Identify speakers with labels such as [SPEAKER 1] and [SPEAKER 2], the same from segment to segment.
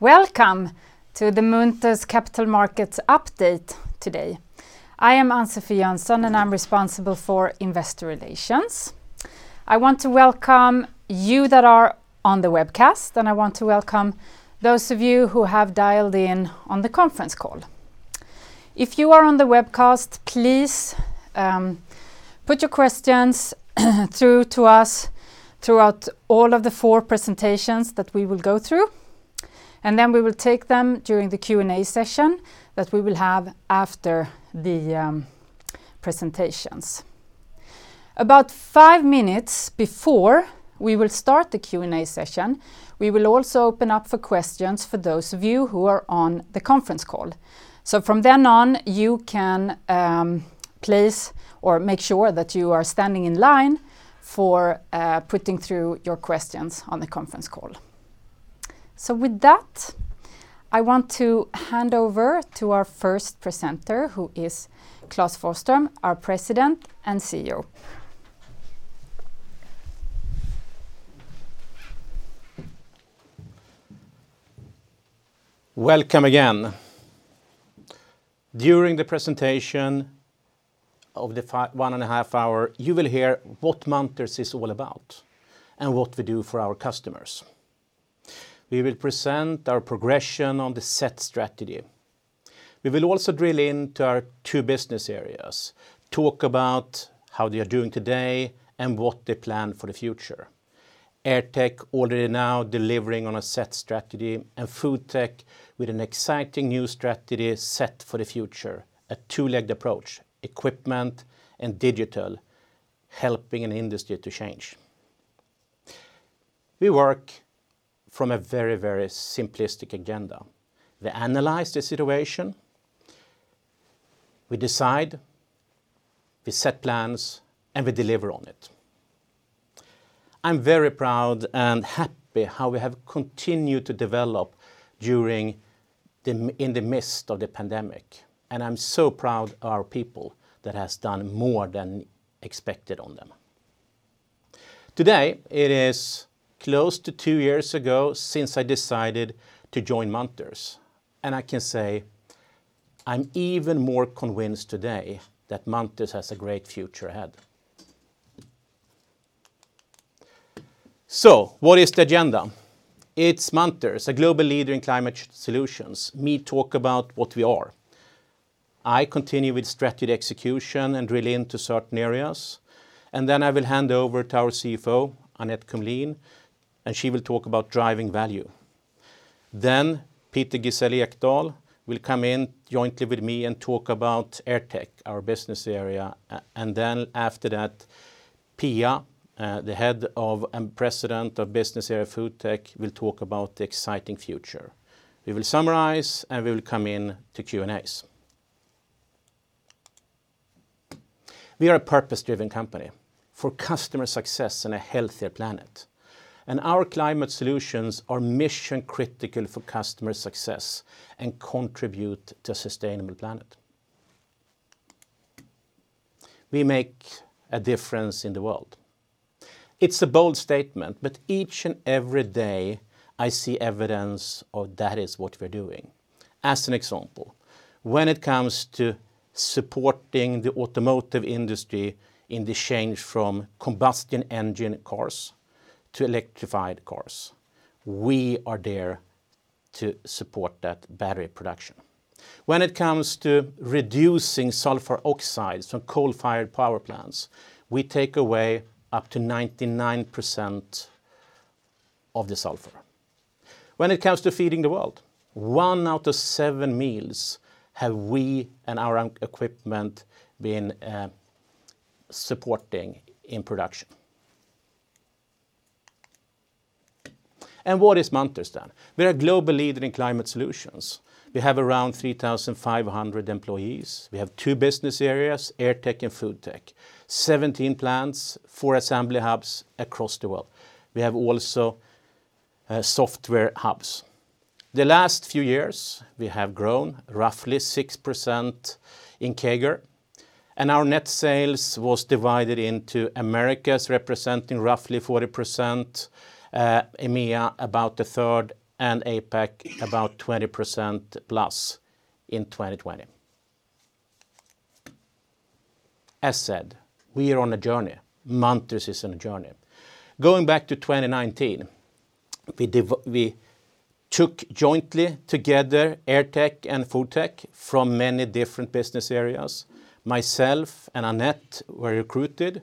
[SPEAKER 1] Welcome to the Munters Capital Markets Update today. I am Ann-Sofie Jönsson, and I'm responsible for investor relations. I want to welcome you that are on the webcast, and I want to welcome those of you who have dialed in on the conference call. If you are on the webcast, please put your questions through to us throughout all of the four presentations that we will go through, and then we will take them during the Q&A session that we will have after the presentations. About five minutes before we will start the Q&A session, we will also open up for questions for those of you who are on the conference call. From then on, you can please or make sure that you are standing in line for putting through your questions on the conference call. With that, I want to hand over to our first presenter, who is Klas Forsström, our President and CEO.
[SPEAKER 2] Welcome again. During the presentation of the one and a half hour, you will hear what Munters is all about and what we do for our customers. We will present our progression on the set strategy. We will also drill into our two business areas, talk about how they are doing today and what they plan for the future. AirTech already now delivering on a set strategy, and FoodTech with an exciting new strategy set for the future, a two-legged approach, equipment and digital, helping an industry to change. We work from a very simplistic agenda. We analyze the situation, we decide, we set plans, and we deliver on it. I'm very proud and happy how we have continued to develop in the midst of the pandemic, and I'm so proud of our people that has done more than expected on them. Today, it is close to two years ago since I decided to join Munters, and I can say I'm even more convinced today that Munters has a great future ahead. What is the agenda? It's Munters, a global leader in climate solutions. Me talk about what we are. I continue with strategy execution and drill into certain areas, and I will hand over to our CFO, Annette Kumlien, and she will talk about driving value. Peter Gisel-Ekdahl will come in jointly with me and talk about AirTech, our business area, and after that, Pia, the Head of and President of Business Area FoodTech, will talk about the exciting future. We will summarize, and we will come in to Q&As. We are a purpose-driven company for customer success and a healthier planet, and our climate solutions are mission-critical for customer success and contribute to a sustainable planet. We make a difference in the world. It's a bold statement, but each and every day, I see evidence of that is what we're doing. As an example, when it comes to supporting the automotive industry in the change from combustion engine cars to electrified cars, we are there to support that battery production. When it comes to reducing sulfur oxides from coal-fired power plants, we take away up to 99% of the sulfur. When it comes to feeding the world, one out of seven meals have we and our equipment been supporting in production. What is Munters then? We're a global leader in climate solutions. We have around 3,500 employees. We have two business areas, AirTech and FoodTech, 17 plants, four assembly hubs across the world. We have also software hubs. The last few years, we have grown roughly 6% in CAGR. Our net sales was divided into Americas, representing roughly 40%, EMEA, about a third, and APAC, about 20% plus in 2020. As said, we are on a journey. Munters is on a journey. Going back to 2019, we took jointly together AirTech and FoodTech from many different business areas. Myself and Annette were recruited.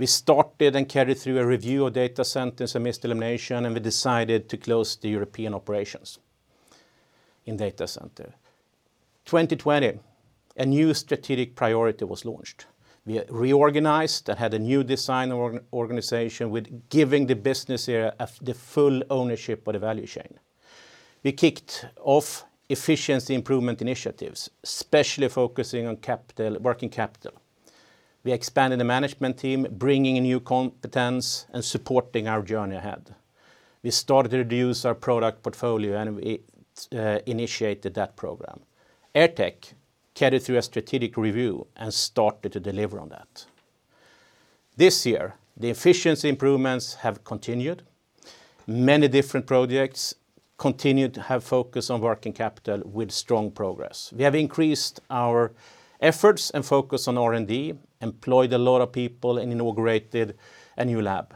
[SPEAKER 2] We started and carried through a review of data centers and mist elimination. We decided to close the European operations in data center. 2020, a new strategic priority was launched. We reorganized and had a new design organization with giving the business area the full ownership of the value chain. We kicked off efficiency improvement initiatives, especially focusing on working capital. We expanded the management team, bringing in new competence and supporting our journey ahead. We started to reduce our product portfolio, and we initiated that program. AirTech carried through a strategic review and started to deliver on that. This year, the efficiency improvements have continued. Many different projects continue to have focus on working capital with strong progress. We have increased our efforts and focus on R&D, employed a lot of people, and inaugurated a new lab.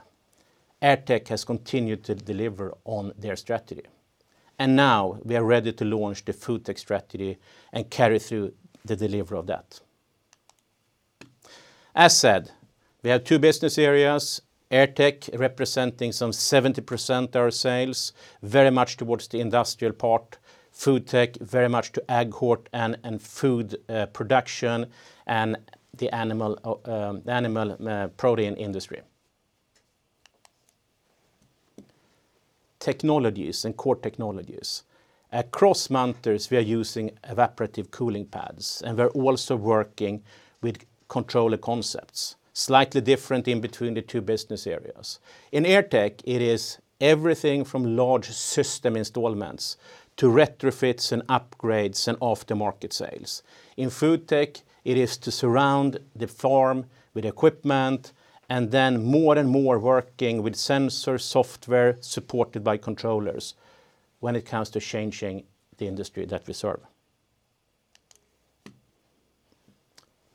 [SPEAKER 2] AirTech has continued to deliver on their strategy. Now we are ready to launch the FoodTech strategy and carry through the delivery of that. As said, we have two business areas, AirTech representing some 70% our sales, very much towards the industrial part, FoodTech, very much to ag, hort, and food production, and the animal protein industry. Technologies and core technologies. Across Munters, we are using evaporative cooling pads, and we're also working with controller concepts, slightly different in between the two business areas. In AirTech, it is everything from large system installments to retrofits and upgrades and aftermarket sales. In FoodTech, it is to surround the farm with equipment and then more and more working with sensor software supported by controllers when it comes to changing the industry that we serve.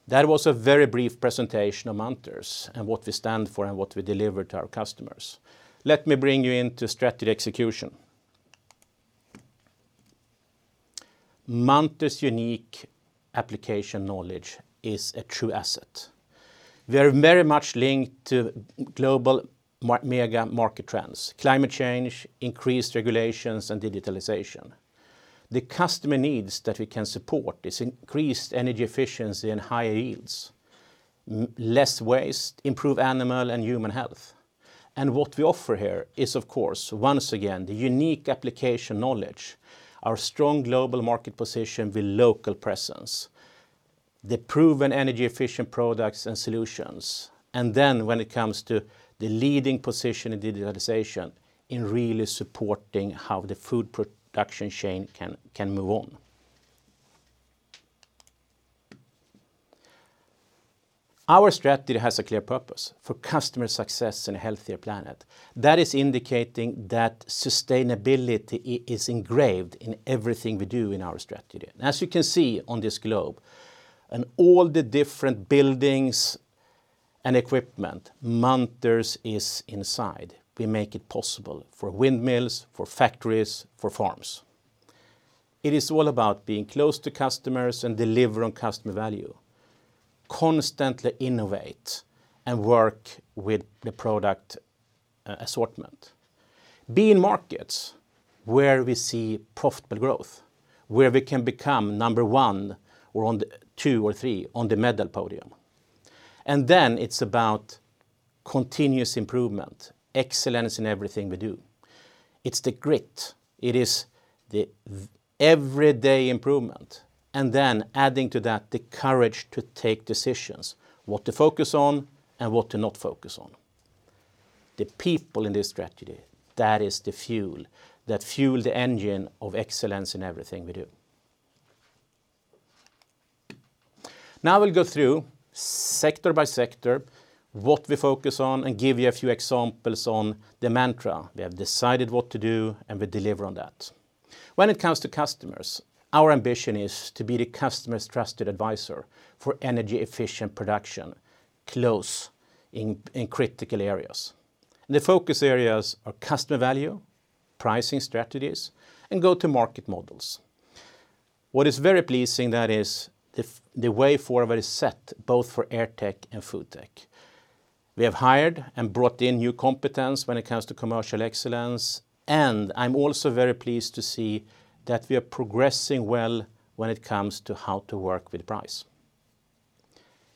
[SPEAKER 2] That was a very brief presentation of Munters and what we stand for and what we deliver to our customers. Let me bring you into strategy execution. Munters' unique application knowledge is a true asset. We are very much linked to global mega market trends, climate change, increased regulations, and digitalization. The customer needs that we can support is increased energy efficiency and higher yields, less waste, improve animal and human health. What we offer here is, of course, once again, the unique application knowledge, our strong global market position with local presence, the proven energy-efficient products and solutions. When it comes to the leading position in digitalization, in really supporting how the food production chain can move on. Our strategy has a clear purpose: for customer success and a healthier planet. That is indicating that sustainability is engraved in everything we do in our strategy. As you can see on this globe, and all the different buildings and equipment, Munters is inside. We make it possible for windmills, for factories, for farms. It is all about being close to customers and deliver on customer value, constantly innovate, and work with the product assortment. Be in markets where we see profitable growth, where we can become number one or on the two or three on the medal podium. It's about continuous improvement, excellence in everything we do. It's the grit. It is the everyday improvement, and then adding to that, the courage to take decisions, what to focus on and what to not focus on. The people in this strategy, that is the fuel that fuel the engine of excellence in everything we do. Now we'll go through sector-by-sector, what we focus on and give you a few examples on the mantra. We have decided what to do, and we deliver on that. When it comes to customers, our ambition is to be the customer's trusted advisor for energy-efficient production, close in critical areas. The focus areas are customer value, pricing strategies, and go-to-market models. What is very pleasing, that is, the way forward is set both for AirTech and FoodTech. We have hired and brought in new competence when it comes to commercial excellence, and I'm also very pleased to see that we are progressing well when it comes to how to work with price.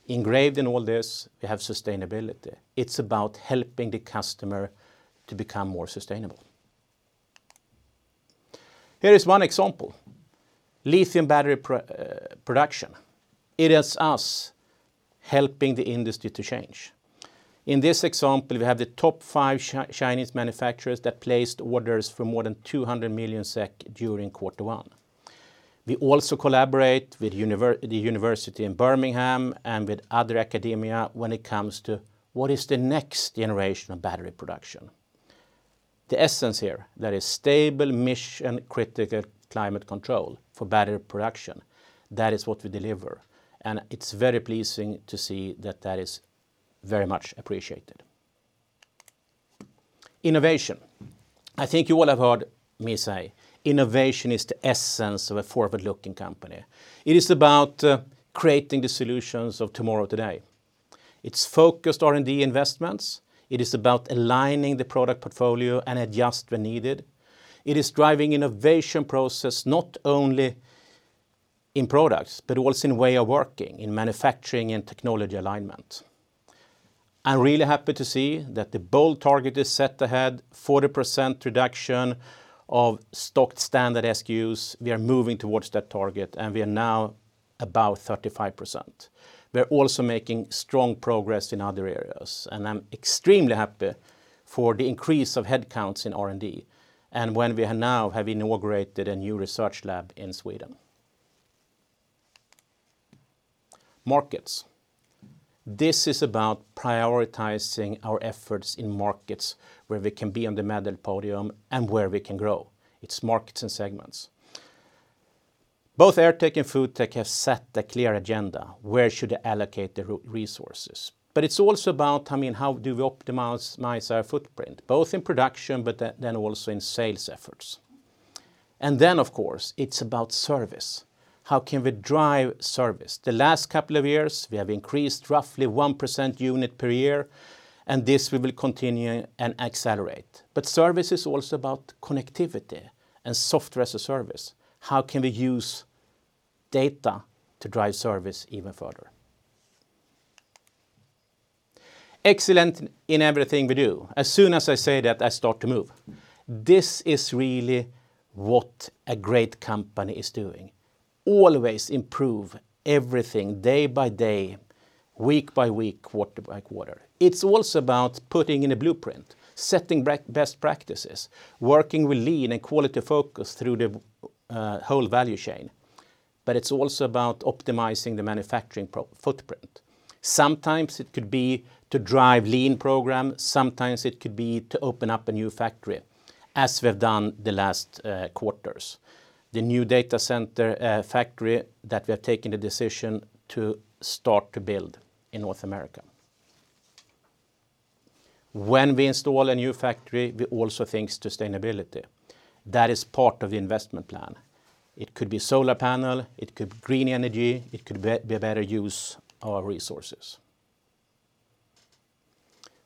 [SPEAKER 2] Engraved in all this, we have sustainability. It's about helping the customer to become more sustainable. Here is one example. Lithium battery production. It is us helping the industry to change. In this example, we have the top five Chinese manufacturers that placed orders for more than 200 million SEK during quarter one. We also collaborate with the university in Birmingham and with other academia when it comes to what is the next generation of battery production. The essence here, that is stable mission critical climate control for battery production. That is what we deliver, and it's very pleasing to see that that is very much appreciated. Innovation. I think you all have heard me say innovation is the essence of a forward-looking company. It is about creating the solutions of tomorrow today. It's focused R&D investments. It is about aligning the product portfolio and adjust when needed. It is driving innovation process not only in products but also in way of working, in manufacturing and technology alignment. I'm really happy to see that the bold target is set ahead, 40% reduction of stocked standard SKUs. We are moving towards that target, and we are now about 35%. We are also making strong progress in other areas, and I'm extremely happy for the increase of headcounts in R&D and when we now have inaugurated a new research lab in Sweden. Markets. This is about prioritizing our efforts in markets where we can be on the medal podium and where we can grow. It's markets and segments. Both AirTech and FoodTech have set a clear agenda, where should they allocate the resources? It's also about how do we optimize our footprint, both in production, but then also in sales efforts. Of course, it's about service. How can we drive service? The last couple of years, we have increased roughly 1% unit per year, and this we will continue and accelerate. Service is also about connectivity and software as a service. How can we use data to drive service even further? Excellent in everything we do. As soon as I say that, I start to move. This is really what a great company is doing. Always improve everything day-by-day, week-by-week, quarter-by-quarter. It's also about putting in a blueprint, setting best practices, working with lean and quality focus through the whole value chain. It's also about optimizing the manufacturing footprint. Sometimes it could be to drive lean program, sometimes it could be to open up a new factory, as we've done the last quarters. The new data center factory that we have taken the decision to start to build in North America. When we install a new factory, we also think sustainability. That is part of the investment plan. It could be solar panel, it could be green energy, it could be a better use of our resources.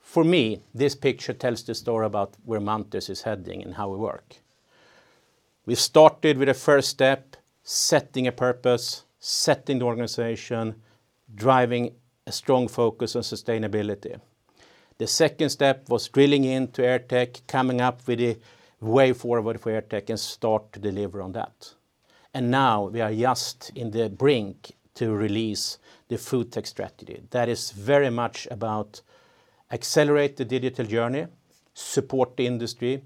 [SPEAKER 2] For me, this picture tells the story about where Munters is heading and how we work. We started with a first step, setting a purpose, setting the organization, driving a strong focus on sustainability. The second step was drilling into AirTech, coming up with a way forward for AirTech, and start to deliver on that. Now we are just on the brink to release the FoodTech strategy. That is very much about accelerate the digital journey, support the industry,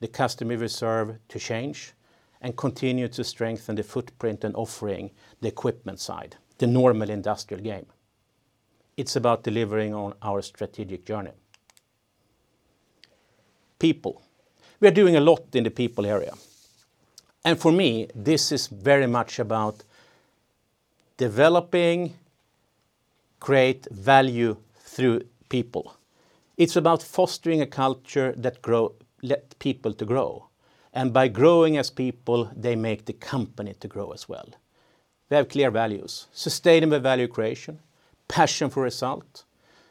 [SPEAKER 2] the customer we serve to change, and continue to strengthen the footprint and offering the equipment side, the normal industrial game. It's about delivering on our strategic journey. People. We are doing a lot in the people area. For me, this is very much about developing great value through people. It's about fostering a culture that let people to grow. By growing as people, they make the company to grow as well. We have clear values, sustainable value creation, passion for result.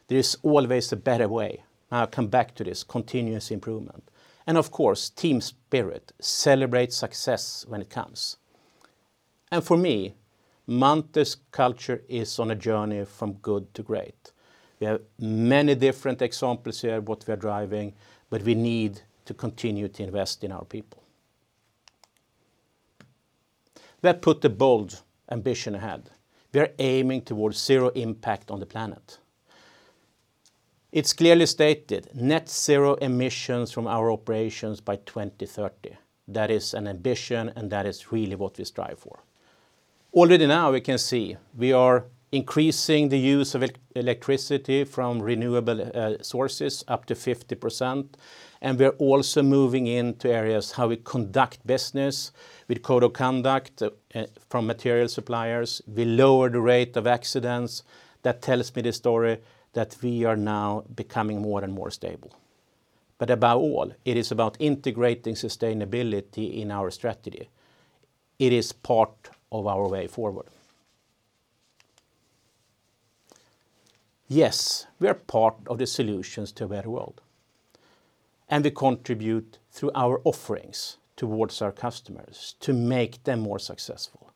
[SPEAKER 2] There is always a better way. I'll come back to this, Continuous Improvement. Of course, Team Spirit, celebrate success when it comes. For me, Munters culture is on a journey from good to great. We have many different examples here, what we are driving, but we need to continue to invest in our people. We have put a bold ambition ahead. We are aiming towards zero impact on the planet. It's clearly stated, net zero emissions from our operations by 2030. That is an ambition, and that is really what we strive for. Already now we can see we are increasing the use of electricity from renewable sources up to 50%, and we are also moving into areas how we conduct business with code of conduct from material suppliers. We lower the rate of accidents. That tells me the story that we are now becoming more and more stable. Above all, it is about integrating sustainability in our strategy. It is part of our way forward. Yes, we are part of the solutions to a better world, and we contribute through our offerings towards our customers to make them more successful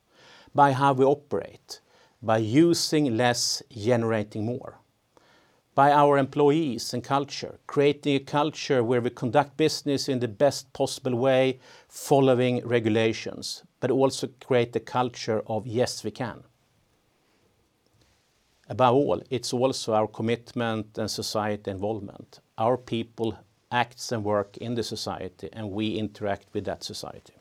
[SPEAKER 2] by how we operate, by using less, generating more, by our employees and culture, creating a culture where we conduct business in the best possible way, following regulations, but also create the culture of "Yes, we can." Above all, it's also our commitment and society involvement. Our people act and work in the society, and we interact with that society.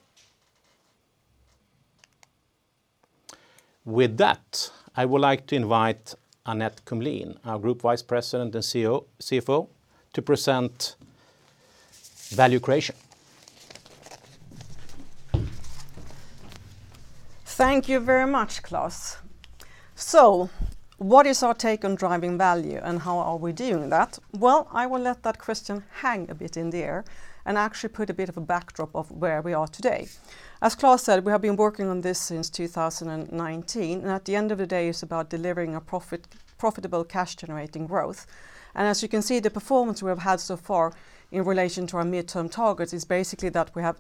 [SPEAKER 2] With that, I would like to invite Annette Kumlien, our Group Vice President and CFO, to present value creation.
[SPEAKER 3] Thank you very much, Klas. What is our take on driving value, and how are we doing that? Well, I will let that question hang a bit in the air and actually put a bit of a backdrop of where we are today. As Klas said, we have been working on this since 2019, and at the end of the day, it's about delivering a profitable cash-generating growth. As you can see, the performance we have had so far in relation to our midterm targets is basically that we have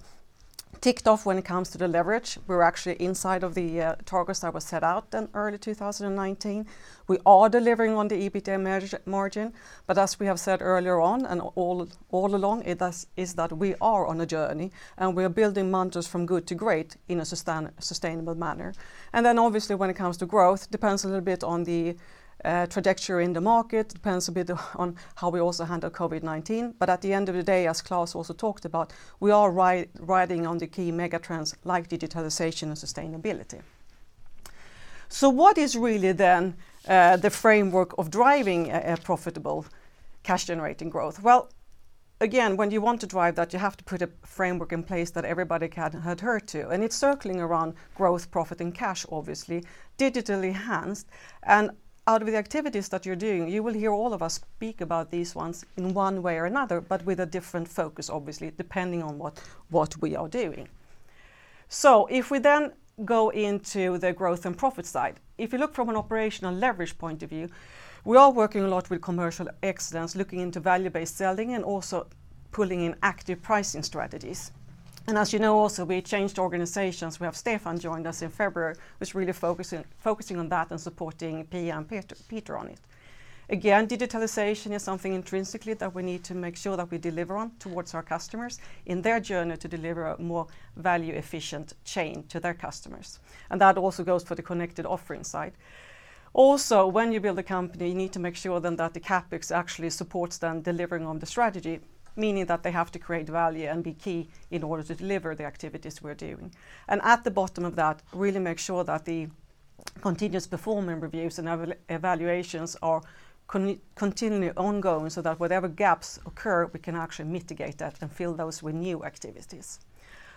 [SPEAKER 3] ticked off when it comes to the leverage. We're actually inside of the targets that were set out in early 2019. We are delivering on the EBITDA margin. As we have said earlier on and all along, it is that we are on a journey, and we are building Munters from good to great in a sustainable manner. Obviously, when it comes to growth, depends a little bit on the trajectory in the market, depends a bit on how we also handle COVID-19. At the end of the day, as Klas also talked about, we are riding on the key mega trends like digitalization and sustainability. What is really then the framework of driving a profitable cash generating growth? Again, when you want to drive that, you have to put a framework in place that everybody can adhere to, and it's circling around growth, profit, and cash, obviously, digitally enhanced. Out of the activities that you're doing, you will hear all of us speak about these ones in one way or another, but with a different focus, obviously, depending on what we are doing. If we go into the growth and profit side, if you look from an operational leverage point of view, we are working a lot with commercial excellence, looking into value-based selling and also pulling in active pricing strategies. As you know also, we changed organizations. We have Stefan joined us in February, who's really focusing on that and supporting Pia and Peter on it. Again, digitalization is something intrinsically that we need to make sure that we deliver on towards our customers in their journey to deliver a more value efficient chain to their customers, and that also goes for the connected offering side. When you build a company, you need to make sure then that the CapEx actually supports them delivering on the strategy, meaning that they have to create value and be key in order to deliver the activities we're doing. At the bottom of that, really make sure that the continuous performance reviews and evaluations are continually ongoing, so that whatever gaps occur, we can actually mitigate that and fill those with new activities.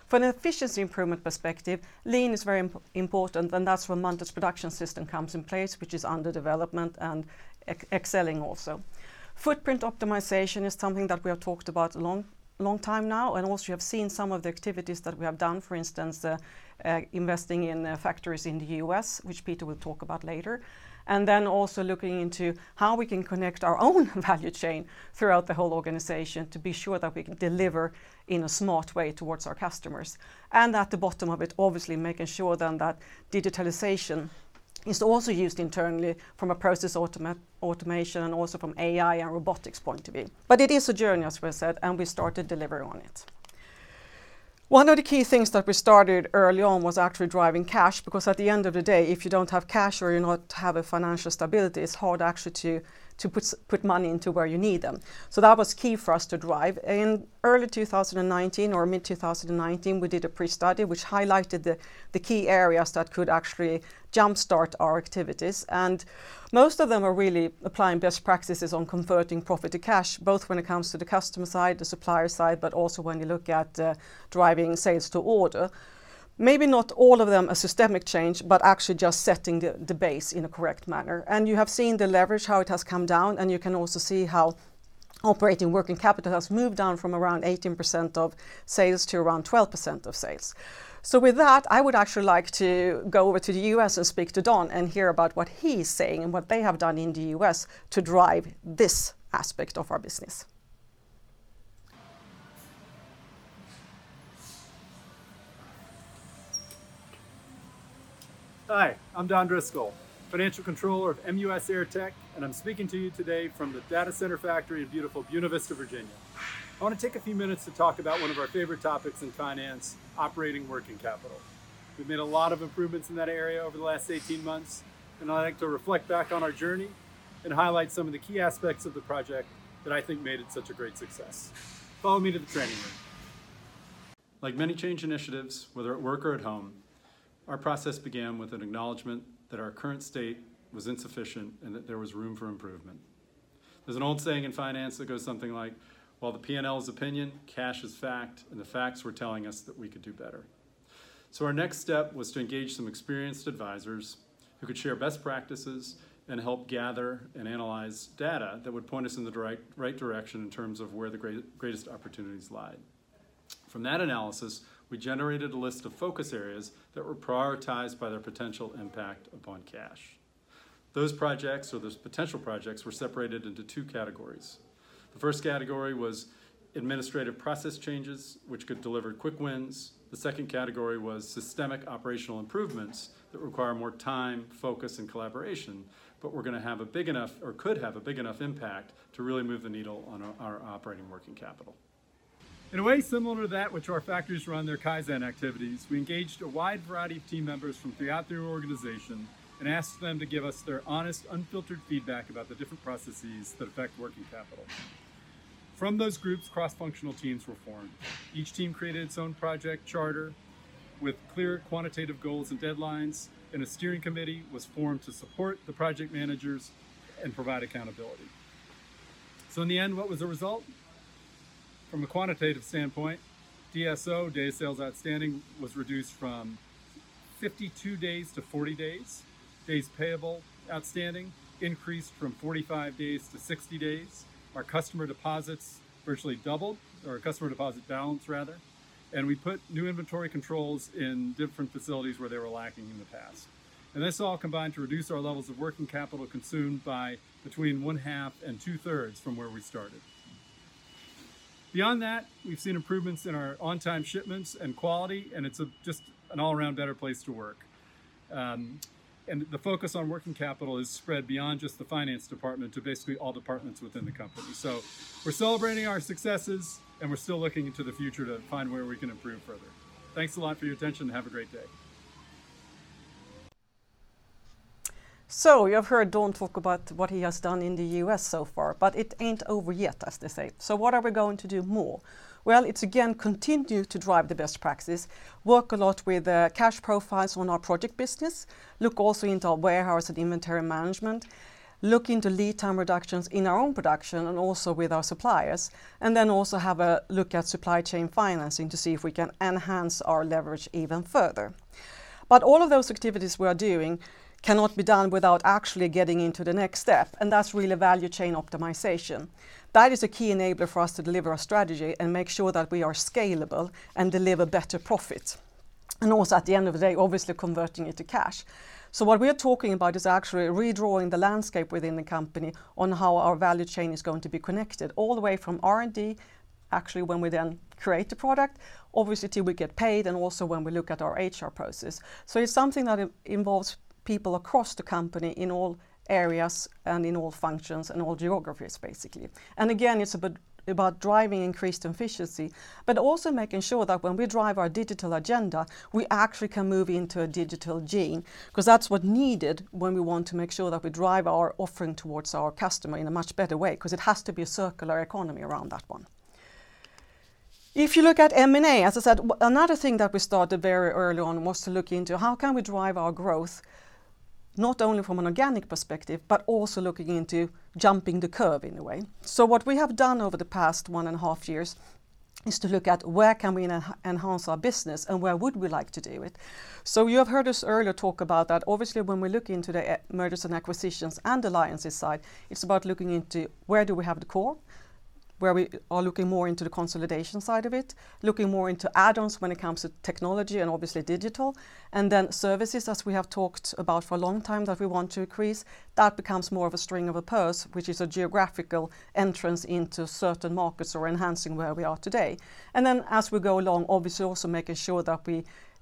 [SPEAKER 3] From an efficiency improvement perspective, lean is very important, and that's where Munters Production System comes in place, which is under development and excelling also. Footprint optimization is something that we have talked about a long time now, and also you have seen some of the activities that we have done, for instance, investing in factories in the U.S., which Peter will talk about later. Also looking into how we can connect our own value chain throughout the whole organization to be sure that we can deliver in a smart way towards our customers. At the bottom of it, obviously making sure then that digitalization is also used internally from a process automation, and also from AI and robotics point of view. It is a journey, as we said, and we started delivering on it. One of the key things that we started early on was actually driving cash, because at the end of the day, if you don't have cash or you not have a financial stability, it's hard actually to put money into where you need them. That was key for us to drive. In early 2019 or mid-2019, we did a pre-study which highlighted the key areas that could actually jumpstart our activities. Most of them are really applying best practices on converting profit to cash, both when it comes to the customer side, the supplier side, but also when you look at driving sales to order. Maybe not all of them a systemic change, but actually just setting the base in a correct manner. You have seen the leverage, how it has come down, and you can also see how operating working capital has moved down from around 18% of sales to around 12% of sales. With that, I would actually like to go over to the U.S. and speak to Don and hear about what he's saying and what they have done in the U.S. to drive this aspect of our business.
[SPEAKER 4] Hi, I'm Don Driscoll, Financial Controller of Munters AirTech. I'm speaking to you today from the data center factory in beautiful Buena Vista, Virginia. I want to take a few minutes to talk about one of our favorite topics in finance, operating working capital. We've made a lot of improvements in that area over the last 18 months. I'd like to reflect back on our journey and highlight some of the key aspects of the project that I think made it such a great success. Follow me to the training room. Like many change initiatives, whether at work or at home, our process began with an acknowledgment that our current state was insufficient, and that there was room for improvement. There's an old saying in finance that goes something like, "While the P&L is opinion, cash is fact." The facts were telling us that we could do better. Our next step was to engage some experienced advisors who could share best practices and help gather and analyze data that would point us in the right direction in terms of where the greatest opportunities lie. From that analysis, we generated a list of focus areas that were prioritized by their potential impact upon cash. Those projects or those potential projects were separated into two categories. The first category was administrative process changes, which could deliver quick wins. The second category was systemic operational improvements that require more time, focus, and collaboration, but were going to have a big enough, or could have a big enough impact to really move the needle on our operating working capital. In a way similar to that which our factories run their Kaizen activities, we engaged a wide variety of team members from throughout the organization and asked them to give us their honest, unfiltered feedback about the different processes that affect working capital. From those groups, cross-functional teams were formed. Each team created its own project charter with clear quantitative goals and deadlines, and a steering committee was formed to support the project managers and provide accountability. In the end, what was the result? From a quantitative standpoint, DSO, days sales outstanding, was reduced from 52 days to 40 days. Days payable outstanding increased from 45 days to 60 days. Our customer deposits virtually doubled, or customer deposit balance rather, and we put new inventory controls in different facilities where they were lacking in the past. This all combined to reduce our levels of working capital consumed by between one half and two thirds from where we started. Beyond that, we've seen improvements in our on-time shipments and quality, and it's just an all-around better place to work. The focus on working capital has spread beyond just the finance department to basically all departments within the company. We're celebrating our successes, and we're still looking into the future to find where we can improve further. Thanks a lot for your attention and have a great day.
[SPEAKER 3] You have heard Don talk about what he has done in the U.S. so far, but it ain't over yet, as they say. What are we going to do more? Well, it's again, continue to drive the best practice, work a lot with the cash profiles on our project business, look also into our warehouse and inventory management, look into lead time reductions in our own production and also with our suppliers, and then also have a look at supply chain financing to see if we can enhance our leverage even further. All of those activities we are doing cannot be done without actually getting into the next step, and that's really value chain optimization. That is a key enabler for us to deliver our strategy and make sure that we are scalable and deliver better profit, and also at the end of the day, obviously converting it to cash. What we are talking about is actually redrawing the landscape within the company on how our value chain is going to be connected all the way from R&D, actually when we then create the product, obviously till we get paid, and also when we look at our HR process. It's something that involves people across the company in all areas and in all functions and all geographies, basically. Again, it's about driving increased efficiency, but also making sure that when we drive our digital agenda, we actually can move into a digital agenda, because that's what's needed when we want to make sure that we drive our offering towards our customer in a much better way, because it has to be a circular economy around that one. If you look at M&A, as I said, another thing that we started very early on was to look into how can we drive our growth, not only from an organic perspective, but also looking into jumping the curve in a way. What we have done over the past one and a half years is to look at where can we enhance our business and where would we like to do it. You have heard us earlier talk about that. Obviously, when we look into the mergers and acquisitions and alliances side, it's about looking into where do we have the core, where we are looking more into the consolidation side of it, looking more into add-ons when it comes to technology and obviously digital, and then services, as we have talked about for a long time, that we want to increase. That becomes more of a string of a purse, which is a geographical entrance into certain markets or enhancing where we are today. As we go along, obviously also making sure that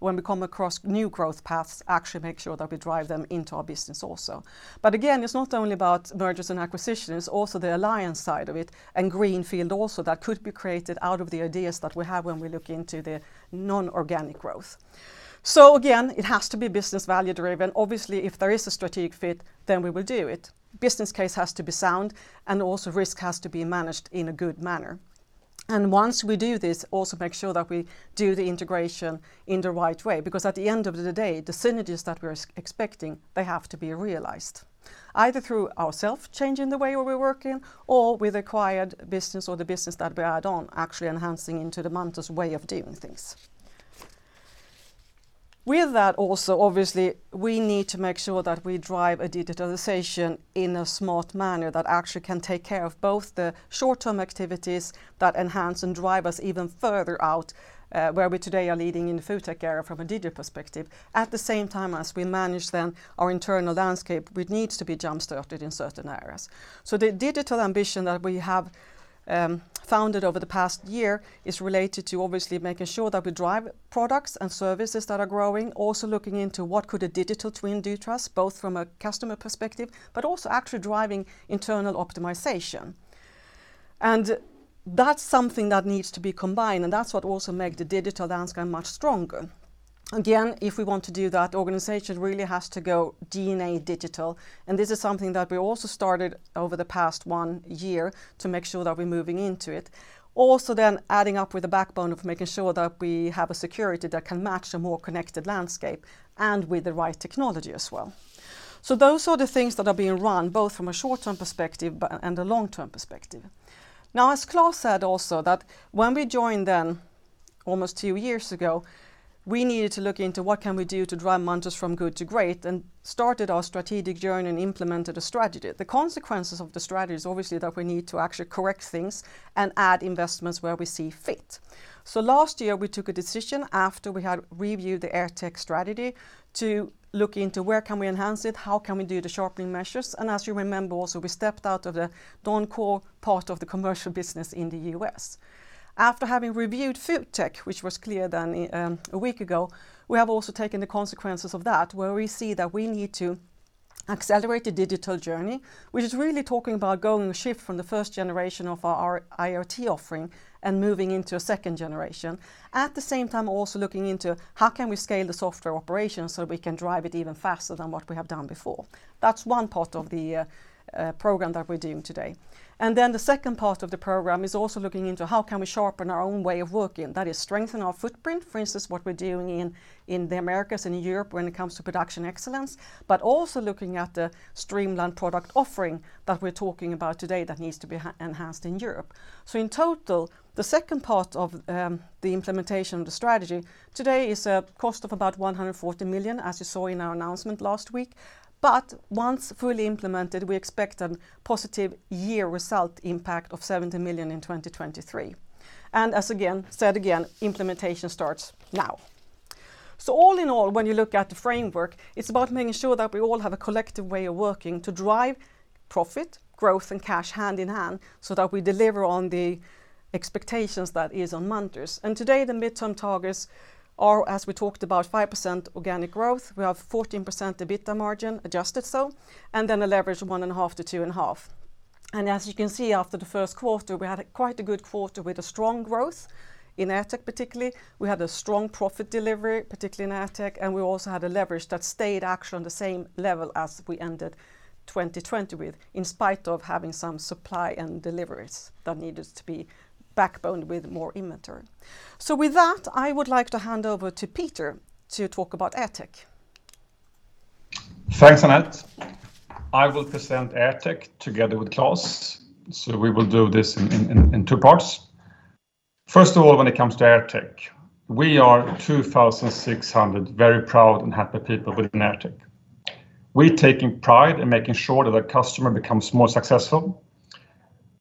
[SPEAKER 3] when we come across new growth paths, actually make sure that we drive them into our business also. Again, it's not only about mergers and acquisitions, it's also the alliance side of it, and greenfield also that could be created out of the ideas that we have when we look into the non-organic growth. Again, it has to be business value driven. Obviously, if there is a strategic fit, then we will do it. Business case has to be sound, and also risk has to be managed in a good manner. Once we do this, also make sure that we do the integration in the right way, because at the end of the day, the synergies that we're expecting, they have to be realized, either through ourself changing the way we are working or with acquired business or the business that we add on, actually enhancing into the Munters way of doing things. With that also, obviously, we need to make sure that we drive a digitalization in a smart manner that actually can take care of both the short-term activities that enhance and drive us even further out, where we today are leading in the FoodTech area from a digital perspective. At the same time as we manage then our internal landscape, which needs to be jumpstarted in certain areas. The digital ambition that we have founded over the past year is related to obviously making sure that we drive products and services that are growing, also looking into what could a digital twin do to us, both from a customer perspective, but also actually driving internal optimization. That's something that needs to be combined, and that's what also make the digital landscape much stronger. Again, if we want to do that, the organization really has to go DNA digital, and this is something that we also started over the past one year to make sure that we're moving into it. Adding up with the backbone of making sure that we have a security that can match a more connected landscape and with the right technology as well. Those are the things that are being run both from a short-term perspective and a long-term perspective. Now, as Klas said also, that when we joined then almost two years ago, we needed to look into what can we do to drive Munters from good to great, and started our strategic journey and implemented a strategy. The consequences of the strategy is obviously that we need to actually correct things and add investments where we see fit. Last year, we took a decision after we had reviewed the AirTech strategy to look into where can we enhance it, how can we do the sharpening measures, and as you remember also, we stepped out of the non-core part of the commercial business in the U.S. After having reviewed FoodTech, which was clear then a week ago, we have also taken the consequences of that, where we see that we need to accelerate the digital journey, which is really talking about going shift from the first generation of our IoT offering and moving into a second generation. At the same time, also looking into how can we scale the software operations so we can drive it even faster than what we have done before. That's one part of the program that we're doing today. The second part of the program is also looking into how can we sharpen our own way of working, that is strengthen our footprint. For instance, what we're doing in the Americas and Europe when it comes to production excellence, but also looking at the streamlined product offering that we're talking about today that needs to be enhanced in Europe. In total, the second part of the implementation of the strategy today is a cost of about 140 million, as you saw in our announcement last week. Once fully implemented, we expect a positive year result impact of 70 million in 2023. As said again, implementation starts now. All in all, when you look at the framework, it's about making sure that we all have a collective way of working to drive profit, growth, and cash hand in hand so that we deliver on the expectations that is on Munters. Today, the midterm targets are, as we talked about, 5% organic growth. We have 14% EBITDA margin, adjusted so, a leverage of 1.5-2.5. As you can see, after the first quarter, we had quite a good quarter with strong growth in AirTech particularly. We had a strong profit delivery, particularly in AirTech, and we also had leverage that stayed actually on the same level as we ended 2020, in spite of having some supply and deliveries that needed to be backed up with more inventory. With that, I would like to hand over to Peter to talk about AirTech.
[SPEAKER 5] Thanks, Annette. I will present AirTech together with Klas. We will do this in two parts. First of all, when it comes to AirTech, we are 2,600 very proud and happy people within AirTech. We take pride in making sure that the customer becomes more successful.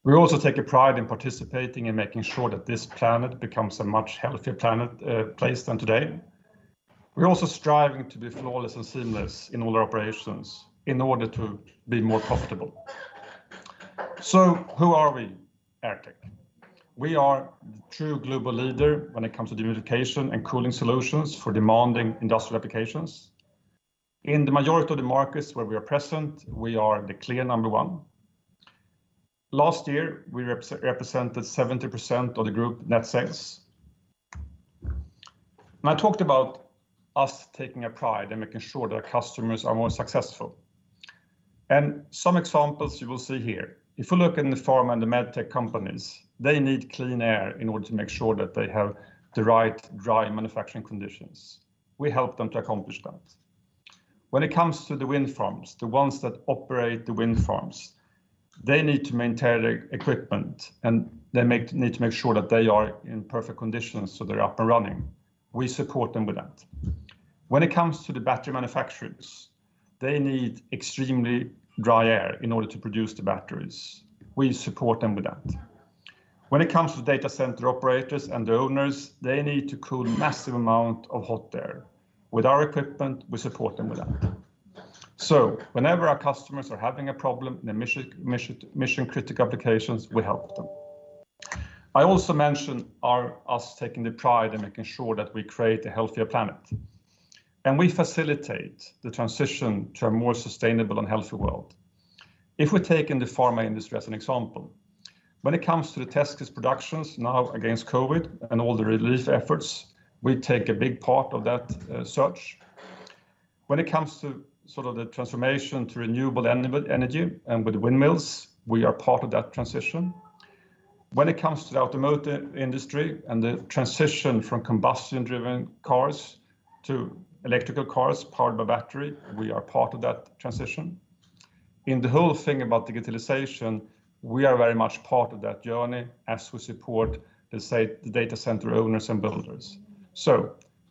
[SPEAKER 5] We also take pride in participating in making sure that this planet becomes a much healthier place than today. We're also striving to be flawless and seamless in all our operations in order to be more profitable. Who are we? AirTech. We are the true global leader when it comes to dehumidification and cooling solutions for demanding industrial applications. In the majority of the markets where we are present, we are the clear number one. Last year, we represented 70% of the group net sales. I talked about us taking pride in making sure that our customers are more successful, and some examples you will see here. If you look in the pharma and the med tech companies, they need clean air in order to make sure that they have the right dry manufacturing conditions. We help them to accomplish that. When it comes to the wind farms, the ones that operate the wind farms, they need to maintain their equipment, and they need to make sure that they are in perfect condition, so they're up and running. We support them with that. When it comes to the battery manufacturers, they need extremely dry air in order to produce the batteries. We support them with that. When it comes to data center operators and the owners, they need to cool massive amounts of hot air. With our equipment, we support them with that. Whenever our customers are having a problem in their mission-critical applications, we help them. I also mentioned us taking pride in making sure that we create a healthier planet, and we facilitate the transition to a more sustainable and healthy world. If we take the pharma industry as an example, when it comes to the test kit productions now against COVID-19 and all the relief efforts, we take a big part of that search. When it comes to the transformation to renewable energy and with windmills, we are part of that transition. When it comes to the automotive industry and the transition from combustion-driven cars to electrical cars powered by battery, we are part of that transition. In the whole thing about digitalization, we are very much part of that journey as we support, let's say, the data center owners and builders.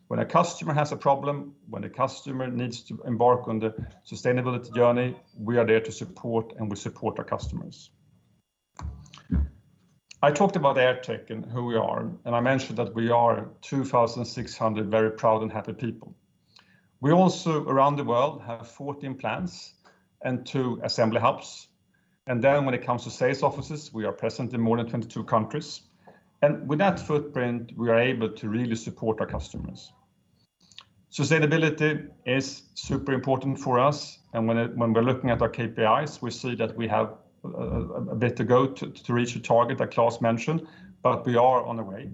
[SPEAKER 5] When a customer has a problem, when a customer needs to embark on the sustainability journey, we are there to support, and we support our customers. I talked about AirTech and who we are, and I mentioned that we are 2,600 very proud and happy people. We also, around the world, have 14 plants and two assembly hubs, and then when it comes to sales offices, we are present in more than 22 countries. With that footprint, we are able to really support our customers. Sustainability is super important for us, and when we're looking at our KPIs, we see that we have a bit to go to reach the target that Klas mentioned, but we are on the way.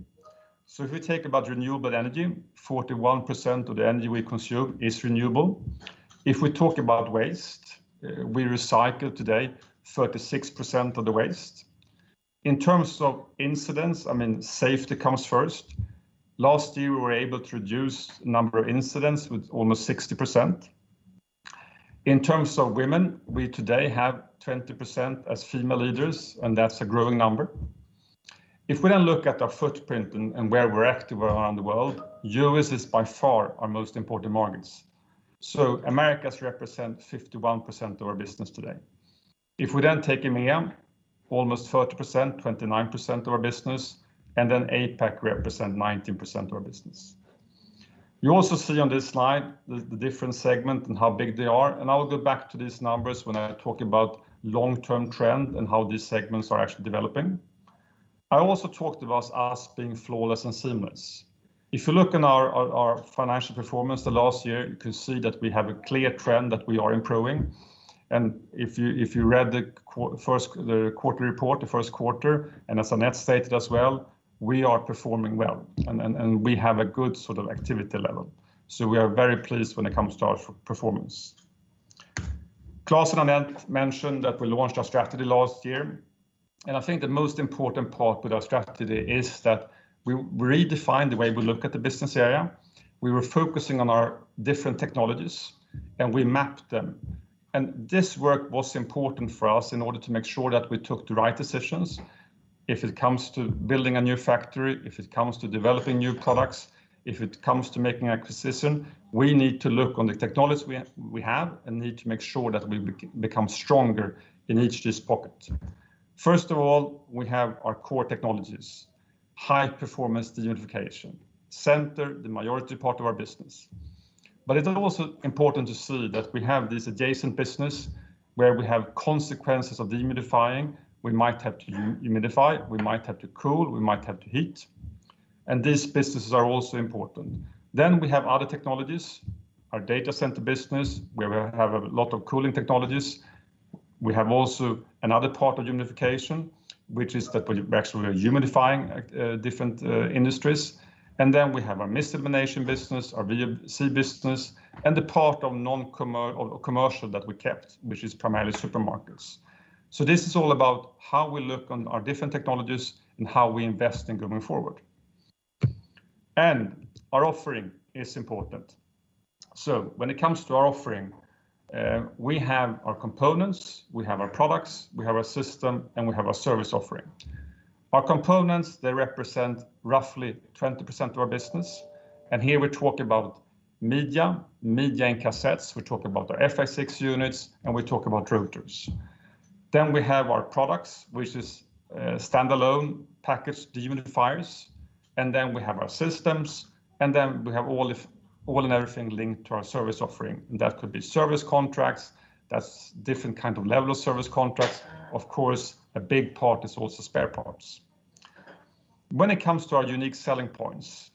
[SPEAKER 5] If we think about renewable energy, 41% of the energy we consume is renewable. If we talk about waste, we recycle today 36% of the waste. In terms of incidents, safety comes first. Last year, we were able to reduce the number of incidents with almost 60%. In terms of women, we today have 20% as female leaders, and that's a growing number. If we then look at our footprint and where we're active around the world, U.S. is by far our most important market. Americas represent 51% of our business today. If we then take EMEA, almost 30%, 29% of our business, APAC represents 19% of our business. You also see on this slide the different segments and how big they are, and I will go back to these numbers when I talk about long-term trends and how these segments are actually developing. I also talked about us being flawless and seamless. If you look at our financial performance the last year, you can see that we have a clear trend that we are improving. If you read the quarterly report, the first quarter, and as Annette stated as well, we are performing well, and we have a good activity level. We are very pleased when it comes to our performance. Klas and Annette mentioned that we launched our strategy last year, and I think the most important part with our strategy is that we redefined the way we look at the business area. We were focusing on our different technologies, and we mapped them. This work was important for us in order to make sure that we took the right decisions. If it comes to building a new factory, if it comes to developing new products, if it comes to making acquisitions, we need to look at the technology we have and need to make sure that we become stronger in each of these pockets. First of all, we have our core technologies, high-performance dehumidification. Center, the majority part of our business. It's also important to see that we have this adjacent business where we have consequences of dehumidifying. We might have to humidify, we might have to cool, we might have to heat. These businesses are also important. We have other technologies, our data center business, where we have a lot of cooling technologies. We have also another part of humidification, which is that we're actually humidifying different industries. Then we have our mist elimination business, our VOC business, and the part of commercial that we kept, which is primarily supermarkets. This is all about how we look on our different technologies and how we invest in going forward. Our offering is important. When it comes to our offering, we have our components, we have our products, we have our system, and we have our service offering. Our components, they represent roughly 20% of our business, and here we talk about media and cassettes. We talk about our FA6 units, and we talk about rotors. Then we have our products, which is standalone packaged dehumidifiers. Then we have our systems, and then we have all and everything linked to our service offering. That could be service contracts. That's different kind of level of service contracts. Of course, a big part is also spare parts. When it comes to our unique selling points,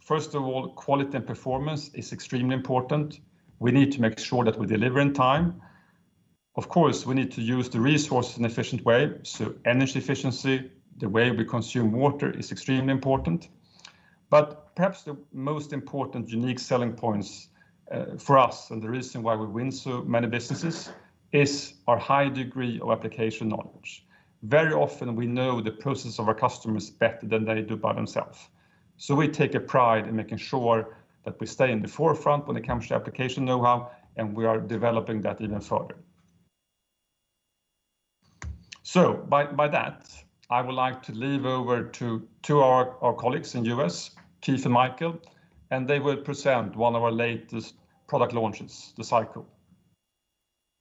[SPEAKER 5] first of all, quality and performance is extremely important. We need to make sure that we deliver in time. Of course, we need to use the resources in an efficient way, so energy efficiency, the way we consume water is extremely important. Perhaps the most important unique selling points for us, and the reason why we win so many businesses, is our high degree of application knowledge. Very often, we know the process of our customers better than they do by themselves. We take a pride in making sure that we stay in the forefront when it comes to application knowhow, and we are developing that even further. By that, I would like to leave over to our colleagues in U.S., Keith and Michael, and they will present one of our latest product launches, the SyCool.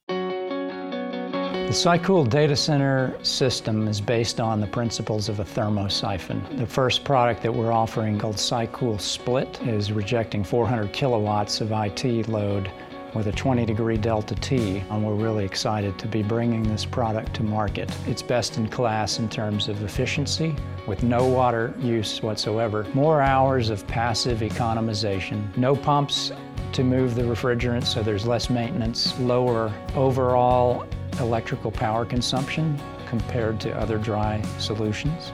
[SPEAKER 6] The SyCool data center system is based on the principles of a thermosiphon. The first product that we're offering, called SyCool Split, is rejecting 400 kW of IT load with a 20-degree delta T, and we're really excited to be bringing this product to market. It's best in class in terms of efficiency, with no water use whatsoever. More hours of passive economization. No pumps to move the refrigerant, so there's less maintenance. Lower overall electrical power consumption compared to other dry solutions.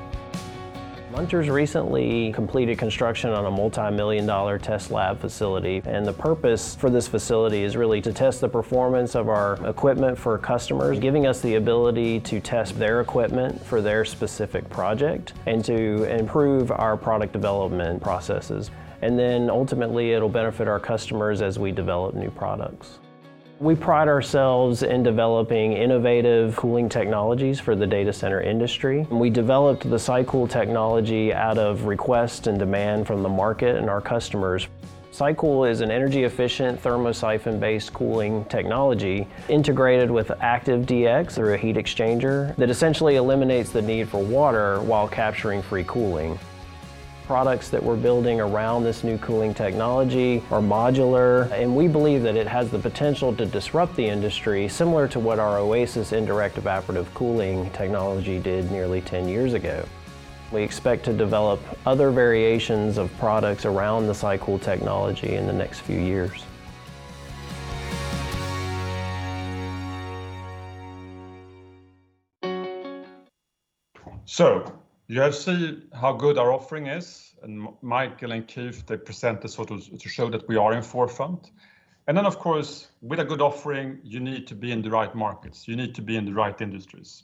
[SPEAKER 6] Munters recently completed construction on a multimillion-dollar test lab facility. The purpose for this facility is really to test the performance of our equipment for customers, giving us the ability to test their equipment for their specific project, and to improve our product development processes. Ultimately, it'll benefit our customers as we develop new products. We pride ourselves in developing innovative cooling technologies for the data center industry. We developed the SyCool technology out of request and demand from the market and our customers. SyCool is an energy-efficient, thermosiphon-based cooling technology integrated with active DX through a heat exchanger that essentially eliminates the need for water while capturing free cooling. Products that we're building around this new cooling technology are modular, and we believe that it has the potential to disrupt the industry, similar to what our Oasis Indirect Evaporative Cooling technology did nearly 10 years ago. We expect to develop other variations of products around the SyCool technology in the next few years.
[SPEAKER 5] You have seen how good our offering is, and Michael and Keith, they present this to show that we are in forefront. Of course, with a good offering, you need to be in the right markets. You need to be in the right industries.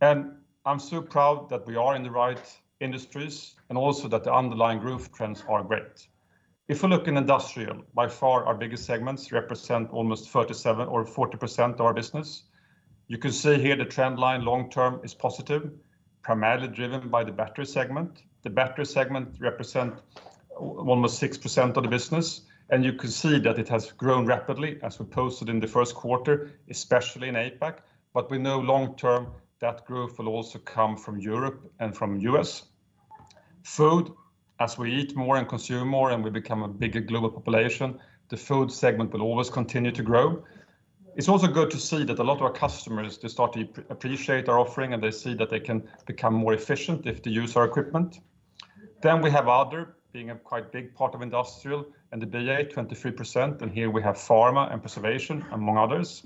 [SPEAKER 5] I'm so proud that we are in the right industries, and also that the underlying growth trends are great. If we look in industrial, by far our biggest segments represent almost 37% or 40% of our business. You can see here the trend line long term is positive, primarily driven by the battery segment. The battery segment represent almost 6% of the business, and you can see that it has grown rapidly as we posted in the first quarter, especially in APAC. We know long term, that growth will also come from Europe and from the U.S. FoodTech, as we eat more and consume more, and we become a bigger global population, the FoodTech segment will always continue to grow. It's also good to see that a lot of our customers, they start to appreciate our offering, and they see that they can become more efficient if they use our equipment. We have other, being a quite big part of Industrial, and the DA, 23%, and here we have Pharma and preservation, among others.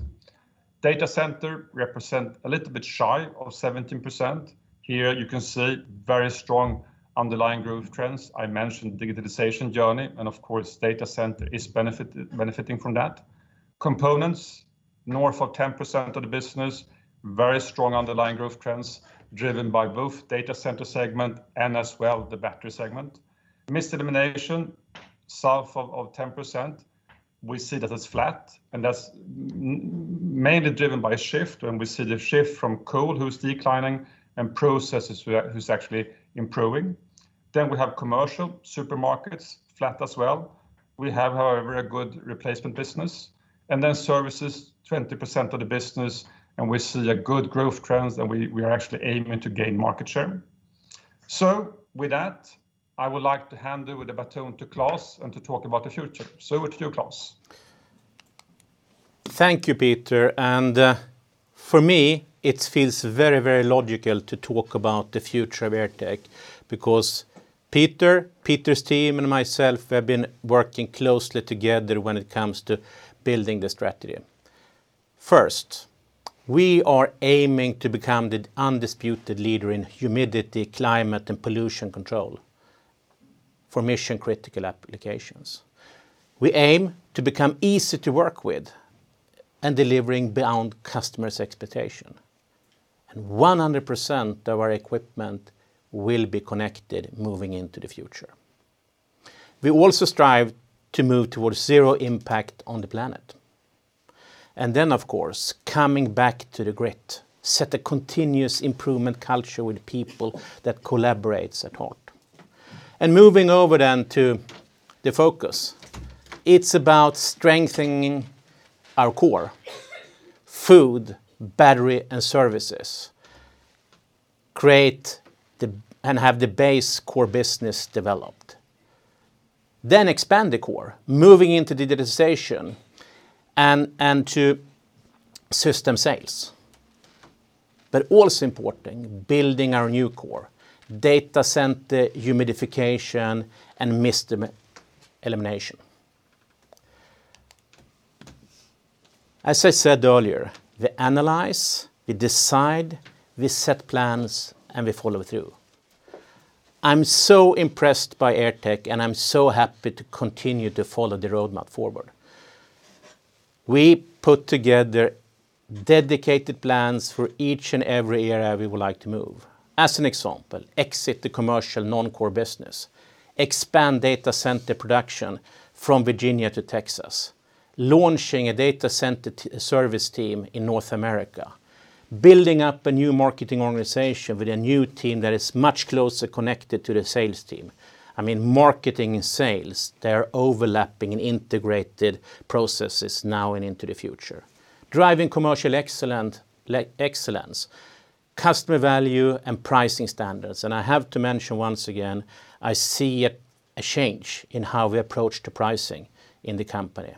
[SPEAKER 5] Data Center represent a little bit shy of 17%. Here you can see very strong underlying growth trends. I mentioned digitalization journey, and of course, Data Center is benefiting from that. Components, north of 10% of the business. Very strong underlying growth trends driven by both Data Center segment and as well the battery segment. Mist Elimination, south of 10%. We see that it's flat. That's mainly driven by shift. We see the shift from coal, who's declining, and processes, who's actually improving. We have commercial supermarkets, flat as well. We have, however, a good replacement business. Services, 20% of the business, and we see good growth trends, and we are actually aiming to gain market share. With that, I would like to hand over the baton to Klas and to talk about the future. Over to you, Klas.
[SPEAKER 2] Thank you, Peter. For me, it feels very, very logical to talk about the future of AirTech because Peter's team, and myself have been working closely together when it comes to building the strategy. First, we are aiming to become the undisputed leader in humidity, climate, and pollution control for mission-critical applications. We aim to become easy to work with and delivering beyond customers' expectation. 100% of our equipment will be connected moving into the future. We also strive to move towards zero impact on the planet. Of course, coming back to the grit, set a continuous improvement culture with people that collaborates at heart. Moving over then to the focus. It's about strengthening our core: food, battery, and services. Create and have the base core business developed. Expand the core, moving into digitalization and to system sales. Also important, building our new core, Data Center humidification and mist elimination. As I said earlier, we analyze, we decide, we set plans, and we follow through. I'm so impressed by AirTech, and I'm so happy to continue to follow the roadmap forward. We put together dedicated plans for each and every area we would like to move. As an example, exit the commercial non-core business. Expand Data Center production from Virginia to Texas. Launching a Data Center service team in North America. Building up a new marketing organization with a new team that is much closer connected to the sales team. Marketing and sales, they're overlapping in integrated processes now and into the future. Driving commercial excellence, customer value, and pricing standards. I have to mention once again, I see a change in how we approach the pricing in the company.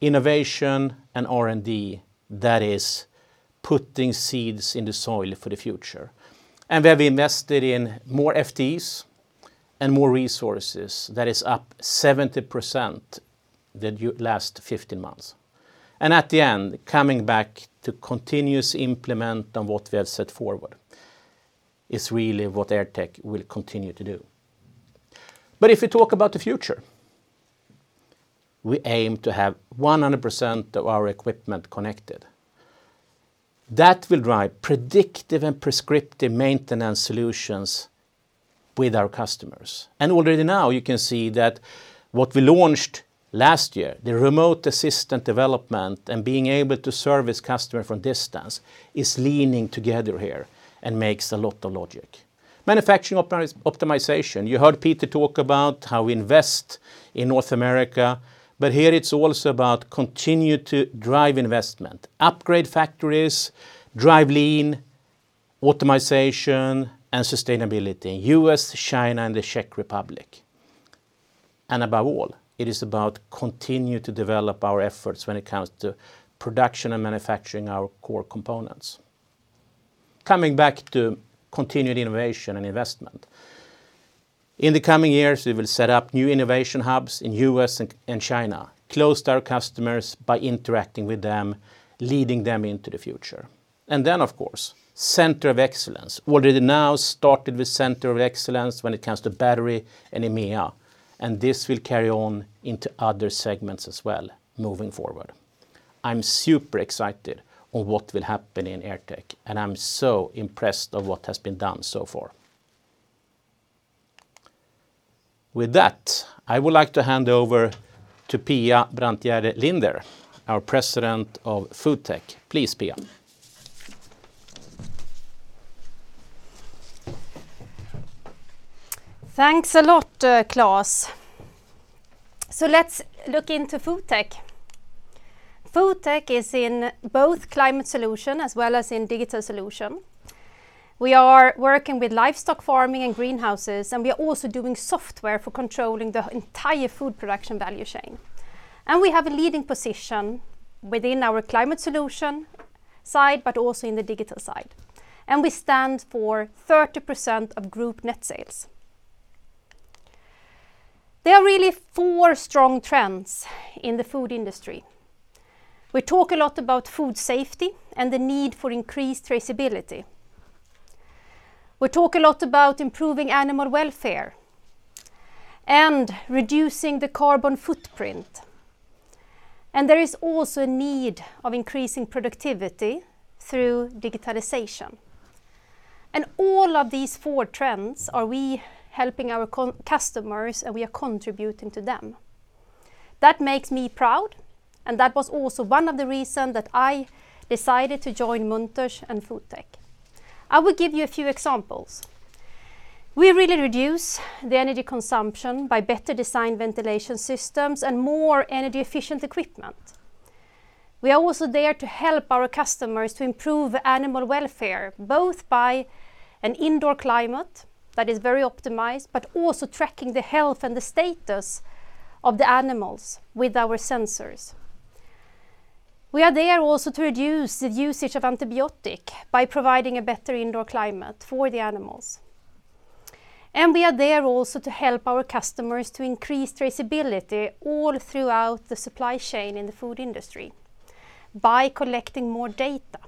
[SPEAKER 2] Innovation and R&D, that is putting seeds in the soil for the future. We have invested in more FTEs and more resources. That is up 70% than the last 15 months. At the end, coming back to continuous improvement on what we have set forward is really what AirTech will continue to do. If you talk about the future, we aim to have 100% of our equipment connected. That will drive predictive and prescriptive maintenance solutions with our customers. Already now you can see that what we launched last year, the remote assistant development and being able to service customer from distance, is leaning together here and makes a lot of logic. Manufacturing optimization. You heard Peter talk about how we invest in North America, but here it's also about continue to drive investment, upgrade factories, drive lean, optimization, and sustainability in U.S., China, and the Czech Republic. Above all, it is about continue to develop our efforts when it comes to production and manufacturing our core components. Coming back to continued innovation and investment. In the coming years, we will set up new innovation hubs in U.S. and China, close to our customers by interacting with them, leading them into the future. Then, of course, center of excellence. Already now started with center of excellence when it comes to battery and EMEA, and this will carry on into other segments as well moving forward. I'm super excited on what will happen in AirTech, and I'm so impressed of what has been done so far. With that, I would like to hand over to Pia Brantgärde Linder, our President of FoodTech. Please, Pia.
[SPEAKER 7] Thanks a lot, Klas. Let's look into FoodTech. FoodTech is in both climate solution as well as in digital solution. We are working with livestock farming and greenhouses, and we are also doing software for controlling the entire food production value chain. We have a leading position within our climate solution side, but also in the digital side. We stand for 30% of group net sales. There are really four strong trends in the food industry. We talk a lot about food safety and the need for increased traceability. We talk a lot about improving animal welfare and reducing the carbon footprint. There is also a need of increasing productivity through digitalization. All of these four trends are we helping our customers, and we are contributing to them. That makes me proud. That was also one of the reason that I decided to join Munters and FoodTech. I will give you a few examples. We really reduce the energy consumption by better design ventilation systems and more energy-efficient equipment. We are also there to help our customers to improve animal welfare, both by an indoor climate that is very optimized, but also tracking the health and the status of the animals with our sensors. We are there also to reduce the usage of antibiotic by providing a better indoor climate for the animals. We are there also to help our customers to increase traceability all throughout the supply chain in the food industry by collecting more data.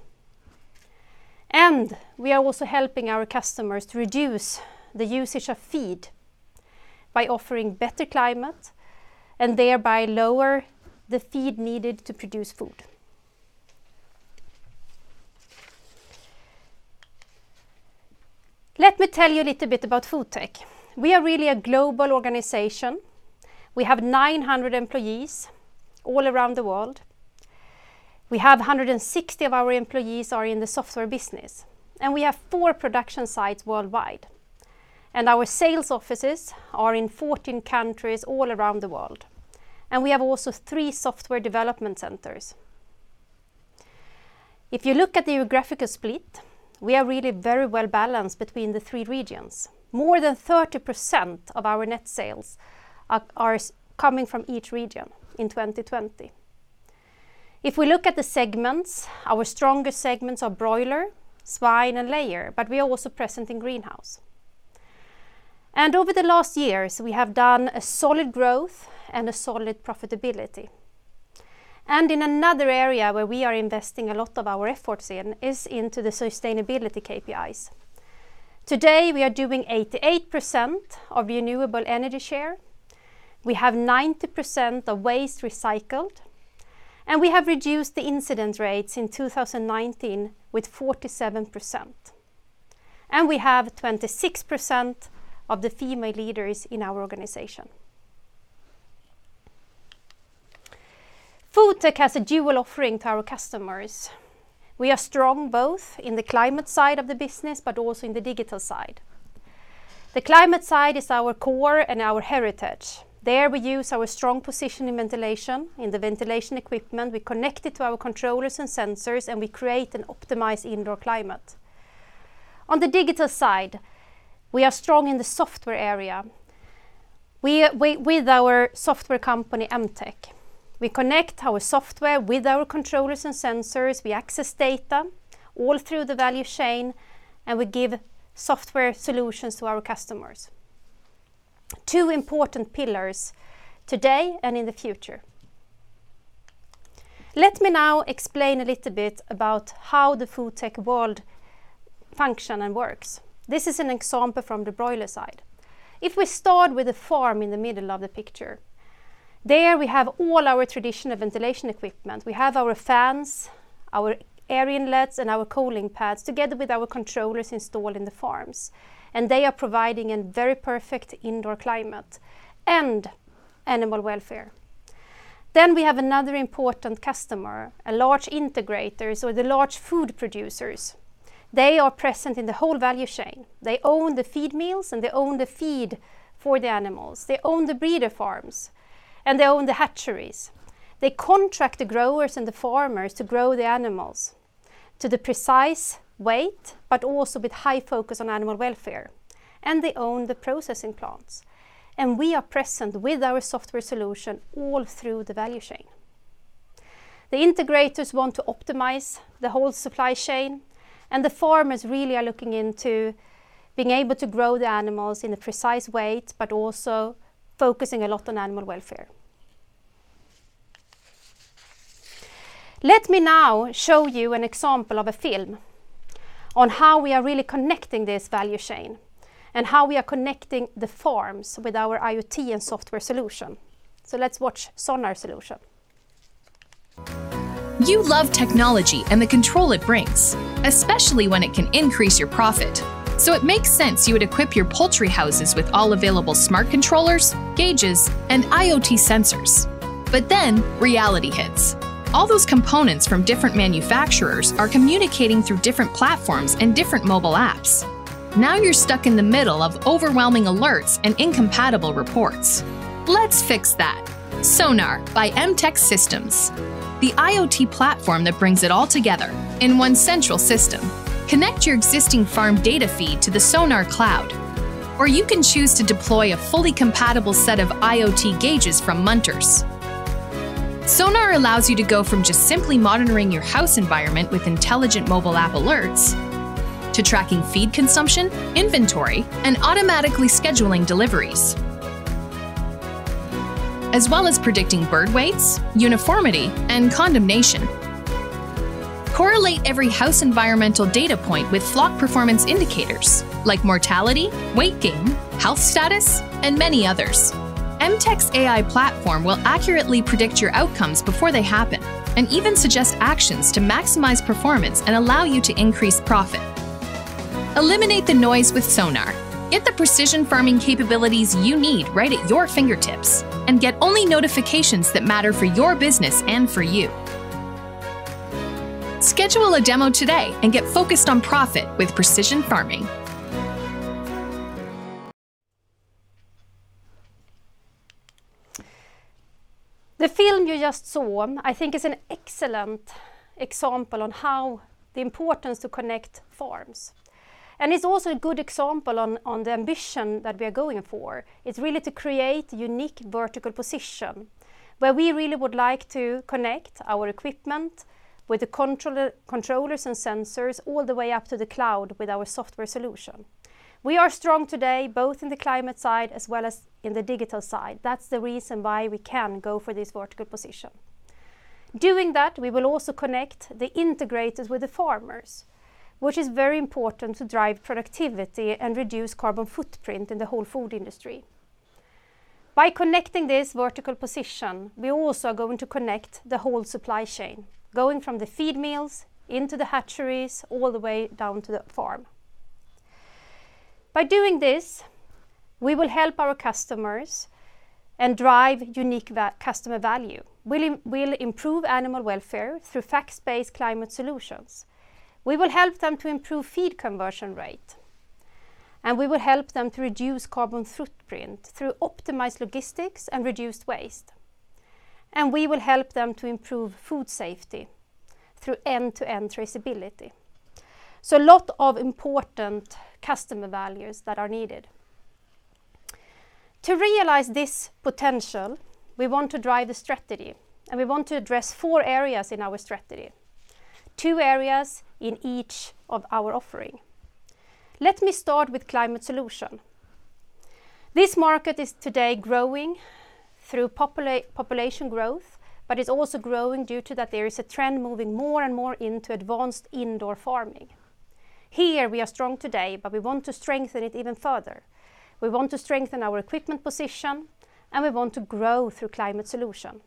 [SPEAKER 7] We are also helping our customers to reduce the usage of feed by offering better climate and thereby lower the feed needed to produce food. Let me tell you a little bit about FoodTech. We are really a global organization. We have 900 employees all around the world. We have 160 of our employees are in the software business, and we have four production sites worldwide. Our sales offices are in 14 countries all around the world. We have also three software development centers. If you look at the geographical split, we are really very well-balanced between the three regions. More than 30% of our net sales are coming from each region in 2020. If we look at the segments, our strongest segments are broiler, swine, and layer, but we are also present in greenhouse. Over the last years, we have done a solid growth and a solid profitability. In another area where we are investing a lot of our efforts in is into the sustainability KPIs. Today, we are doing 88% of renewable energy share. We have 90% of waste recycled. We have reduced the incident rates in 2019 with 47%. We have 26% of the female leaders in our organization. FoodTech has a dual offering to our customers. We are strong both in the climate side of the business, but also in the digital side. The climate side is our core and our heritage. There we use our strong position in ventilation, in the ventilation equipment, we connect it to our controllers and sensors, and we create an optimized indoor climate. On the digital side, we are strong in the software area with our software company, MTech. We connect our software with our controllers and sensors. We access data all through the value chain, and we give software solutions to our customers. Two important pillars today and in the future. Let me now explain a little bit about how the FoodTech world function and works. This is an example from the broiler side. If we start with a farm in the middle of the picture, there we have all our traditional ventilation equipment. We have our fans, our air inlets, and our cooling pads, together with our controllers installed in the farms. They are providing a very perfect indoor climate and animal welfare. We have another important customer, a large integrator, so the large food producers. They are present in the whole value chain. They own the feed mills, and they own the feed for the animals. They own the breeder farms, and they own the hatcheries. They contract the growers and the farmers to grow the animals to the precise weight, but also with high focus on animal welfare. They own the processing plants. We are present with our software solution all through the value chain. The integrators want to optimize the whole supply chain, and the farmers really are looking into being able to grow the animals in a precise way, but also focusing a lot on animal welfare. Let me now show you an example of a film on how we are really connecting this value chain and how we are connecting the farms with our IoT and software solution. Let's watch Sonar solution.
[SPEAKER 8] You love technology and the control it brings, especially when it can increase your profit. It makes sense you would equip your poultry houses with all available smart controllers, gauges, and IoT sensors. Reality hits. All those components from different manufacturers are communicating through different platforms and different mobile apps. You're stuck in the middle of overwhelming alerts and incompatible reports. Let's fix that. Sonar by MTech Systems, the IoT platform that brings it all together in one central system. Connect your existing farm data feed to the Sonar cloud. You can choose to deploy a fully compatible set of IoT gauges from Munters. Sonar allows you to go from just simply monitoring your house environment with intelligent mobile app alerts, to tracking feed consumption, inventory, and automatically scheduling deliveries, as well as predicting bird weights, uniformity, and condemnation. Correlate every house environmental data point with flock performance indicators, like mortality, weight gain, health status, and many others. MTech's AI platform will accurately predict your outcomes before they happen and even suggest actions to maximize performance and allow you to increase profit. Eliminate the noise with Sonar. Get the precision farming capabilities you need right at your fingertips, and get only notifications that matter for your business and for you. Schedule a demo today and get focused on profit with precision farming.
[SPEAKER 7] The film you just saw I think is an excellent example on how the importance to connect farms. It's also a good example on the ambition that we are going for. It's really to create unique vertical position where we really would like to connect our equipment with the controllers and sensors all the way up to the cloud with our software solution. We are strong today both in the climate side as well as in the digital side. That's the reason why we can go for this vertical position. Doing that, we will also connect the integrators with the farmers, which is very important to drive productivity and reduce carbon footprint in the whole food industry. By connecting this vertical position, we are also going to connect the whole supply chain, going from the feed mills into the hatcheries, all the way down to the farm. By doing this, we will help our customers and drive unique customer value. We'll improve animal welfare through facts-based climate solutions. We will help them to improve feed conversion rate, and we will help them to reduce carbon footprint through optimized logistics and reduced waste, and we will help them to improve food safety through end-to-end traceability. A lot of important customer values that are needed. To realize this potential, we want to drive the strategy and we want to address four areas in our strategy, two areas in each of our offering. Let me start with climate solution. This market is today growing through population growth, but it's also growing due to that there is a trend moving more and more into advanced indoor farming. Here we are strong today, but we want to strengthen it even further. We want to strengthen our equipment position, and we want to grow through climate solution.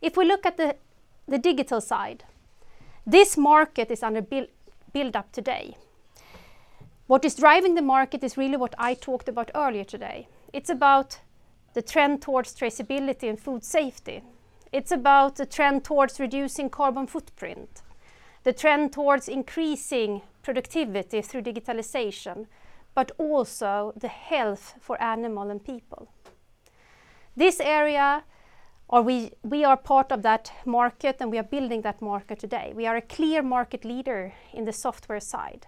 [SPEAKER 7] If we look at the digital side, this market is under build-up today. What is driving the market is really what I talked about earlier today. It's about the trend towards traceability and food safety. It's about the trend towards reducing carbon footprint, the trend towards increasing productivity through digitalization, but also the health for animal and people. This area, we are part of that market and we are building that market today. We are a clear market leader in the software side.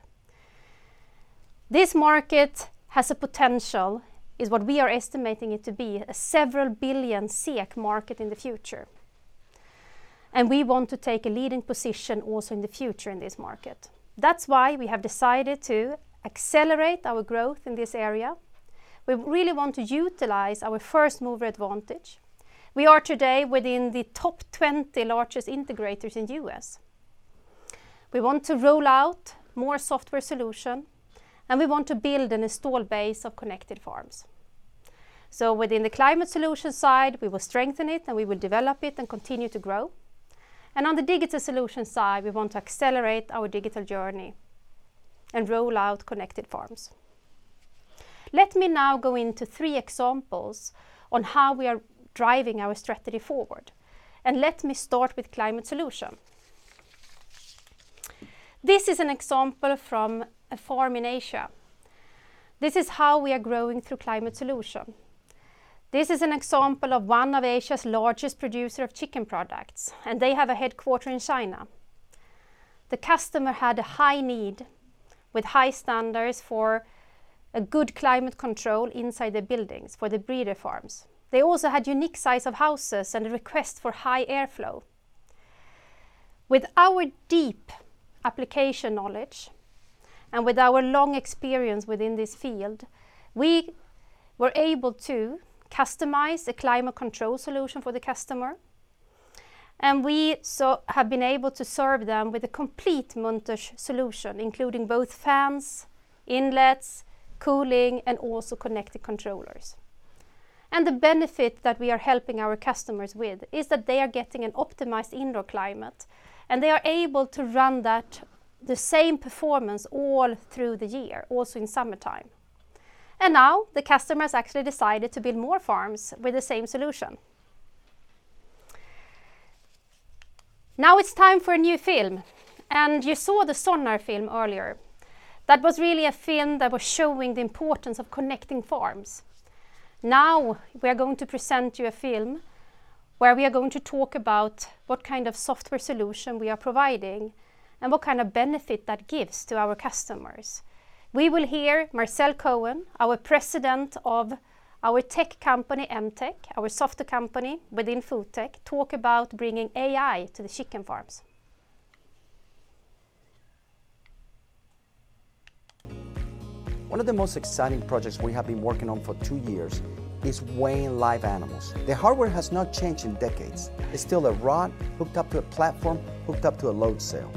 [SPEAKER 7] This market has a potential is what we are estimating it to be a several billion SEK market in the future, and we want to take a leading position also in the future in this market. That's why we have decided to accelerate our growth in this area. We really want to utilize our first-mover advantage. We are today within the top 20 largest integrators in U.S. We want to roll out more software solution, and we want to build an install base of connected farms. So within the climate solution side, we will strengthen it and we will develop it and continue to grow, and on the digital solution side, we want to accelerate our digital journey and roll out connected farms. Let me now go into three examples on how we are driving our strategy forward, and let me start with climate solution. This is an example from a farm in Asia. This is how we are growing through climate solution. This is an example of one of Asia's largest producer of chicken products, and they have a headquarter in China. The customer had a high need with high standards for a good climate control inside the buildings for the breeder farms. They also had unique size of houses and a request for high airflow. With our deep application knowledge and with our long experience within this field, we were able to customize the climate control solution for the customer, and we have been able to serve them with a complete Munters solution, including both fans, inlets, cooling, and also connected controllers. The benefit that we are helping our customers with is that they are getting an optimized indoor climate, and they are able to run that the same performance all through the year, also in summertime. Now the customer has actually decided to build more farms with the same solution. Now it's time for a new film, and you saw the Sonar film earlier. That was really a film that was showing the importance of connecting farms. Now we are going to present you a film where we are going to talk about what kind of software solution we are providing and what kind of benefit that gives to our customers. We will hear Marcel Cohen, our president of our tech company, MTech, our software company within FoodTech, talk about bringing AI to the chicken farms.
[SPEAKER 9] One of the most exciting projects we have been working on for two years is weighing live animals. The hardware has not changed in decades. It's still a rod hooked up to a platform, hooked up to a load cell,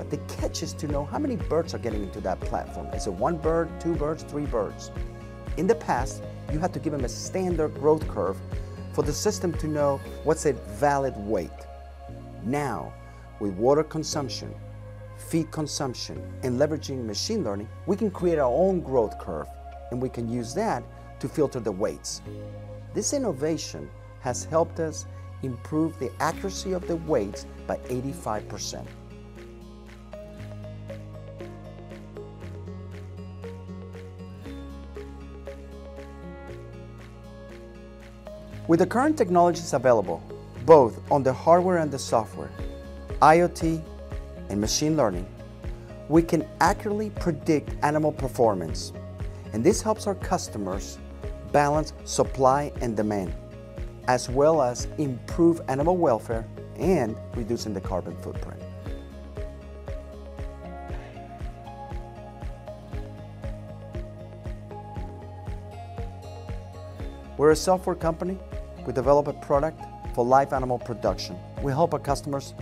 [SPEAKER 9] but the catch is to know how many birds are getting into that platform. Is it one bird, two birds, three birds? In the past, you had to give them a standard growth curve for the system to know what's a valid weight. Now, with water consumption, feed consumption, and leveraging machine learning, we can create our own growth curve, and we can use that to filter the weights. This innovation has helped us improve the accuracy of the weights by 85%. With the current technologies available, both on the hardware and the software, IoT, and machine learning, we can accurately predict animal performance. This helps our customers balance supply and demand, as well as improve animal welfare and reducing the carbon footprint. We're a software company. We develop a product for live animal production. We help our customers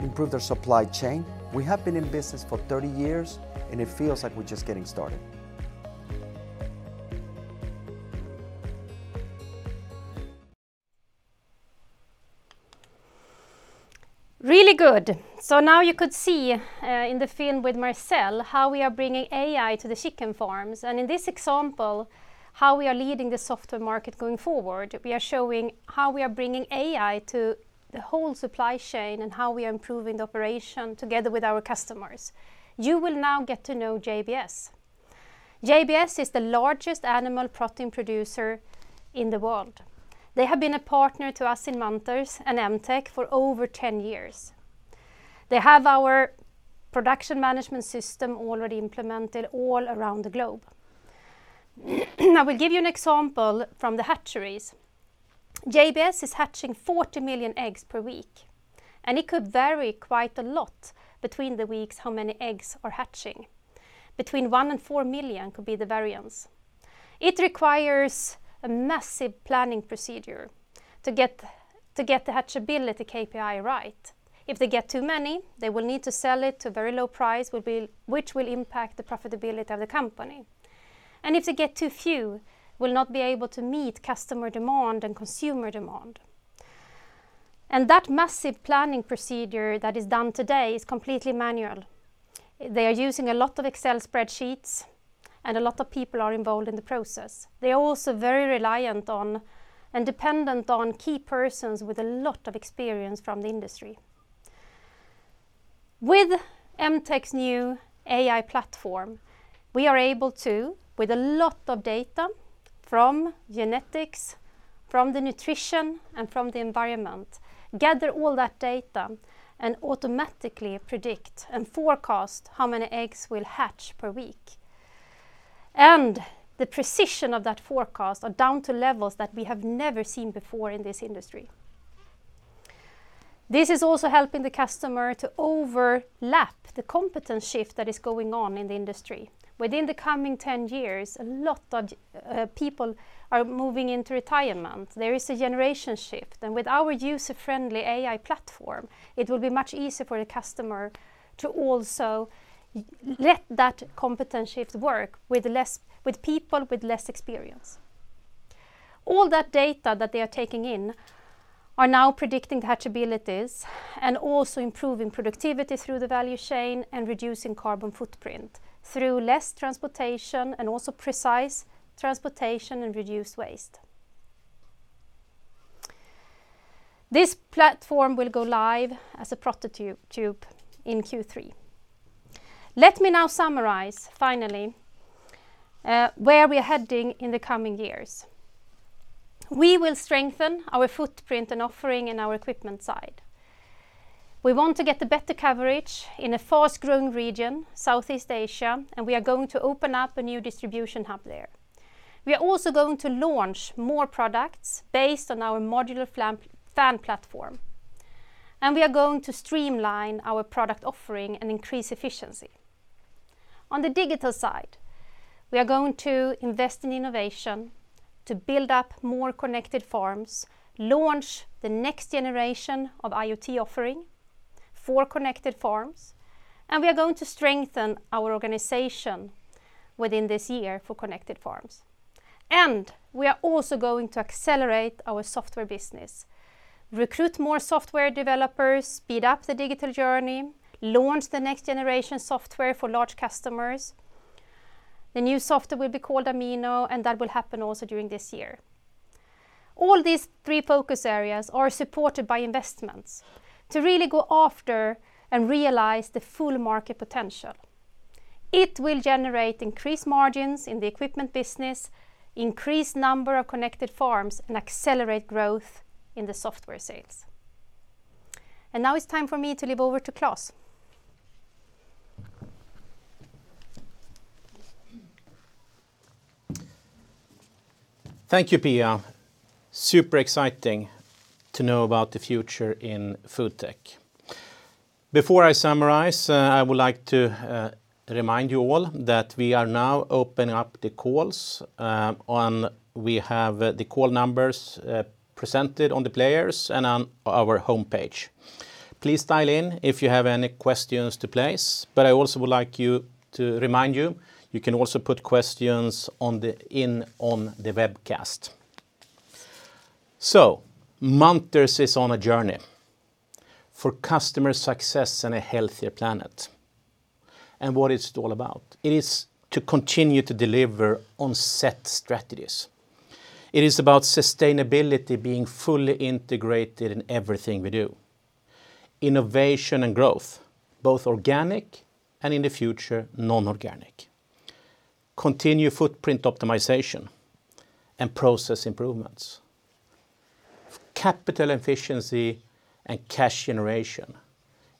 [SPEAKER 9] improve their supply chain. We have been in business for 30 years, and it feels like we're just getting started.
[SPEAKER 7] Really good. Now you could see in the film with Marcel how we are bringing AI to the chicken farms, and in this example, how we are leading the software market going forward. We are showing how we are bringing AI to the whole supply chain and how we are improving the operation together with our customers. You will now get to know JBS. JBS is the largest animal protein producer in the world. They have been a partner to us in Munters and MTech for over 10 years. They have our production management system already implemented all around the globe. I will give you an example from the hatcheries. JBS is hatching 40 million eggs per week, and it could vary quite a lot between the weeks how many eggs are hatching. Between one and four million could be the variance. It requires a massive planning procedure to get the hatchability KPI right. If they get too many, they will need to sell it to a very low price, which will impact the profitability of the company. If they get too few, they will not be able to meet customer demand and consumer demand. That massive planning procedure that is done today is completely manual. They are using a lot of Excel spreadsheets, and a lot of people are involved in the process. They are also very reliant on and dependent on key persons with a lot of experience from the industry. With MTech's new AI platform, we are able to, with a lot of data from genetics, from the nutrition, and from the environment, gather all that data and automatically predict and forecast how many eggs will hatch per week. The precision of that forecast are down to levels that we have never seen before in this industry. This is also helping the customer to overlap the competence shift that is going on in the industry. Within the coming 10 years, a lot of people are moving into retirement. There is a generation shift. With our user-friendly AI platform, it will be much easier for the customer to also let that competence shift work with people with less experience. All that data that they are taking in are now predicting hatchabilities and also improving productivity through the value chain and reducing carbon footprint through less transportation and also precise transportation and reduced waste. This platform will go live as a prototype in Q3. Let me now summarize, finally, where we are heading in the coming years. We will strengthen our footprint and offering in our equipment side. We want to get the better coverage in a fast-growing region, Southeast Asia, and we are going to open up a new distribution hub there. We are also going to launch more products based on our modular fan platform. We are going to streamline our product offering and increase efficiency. On the digital side, we are going to invest in innovation to build up more connected farms, launch the next generation of IoT offering for connected farms, and we are going to strengthen our organization within this year for connected farms. We are also going to accelerate our software business, recruit more software developers, speed up the digital journey, launch the next generation software for large customers. The new software will be called Amino, and that will happen also during this year. All these three focus areas are supported by investments to really go after and realize the full market potential. It will generate increased margins in the equipment business, increased number of connected farms, and accelerate growth in the software sales. Now it's time for me to leave over to Klas.
[SPEAKER 2] Thank you, Pia. Super exciting to know about the future in FoodTech. Before I summarize, I would like to remind you all that we are now opening up the calls, and we have the call numbers presented on the players and on our homepage. Please dial in if you have any questions to place. I also would like to remind you can also put questions in on the webcast. Munters is on a journey for customer success and a healthier planet. What is it all about? It is to continue to deliver on set strategies. It is about sustainability being fully integrated in everything we do. Innovation and growth, both organic and, in the future, non-organic. Continue footprint optimization and process improvements. Capital efficiency and cash generation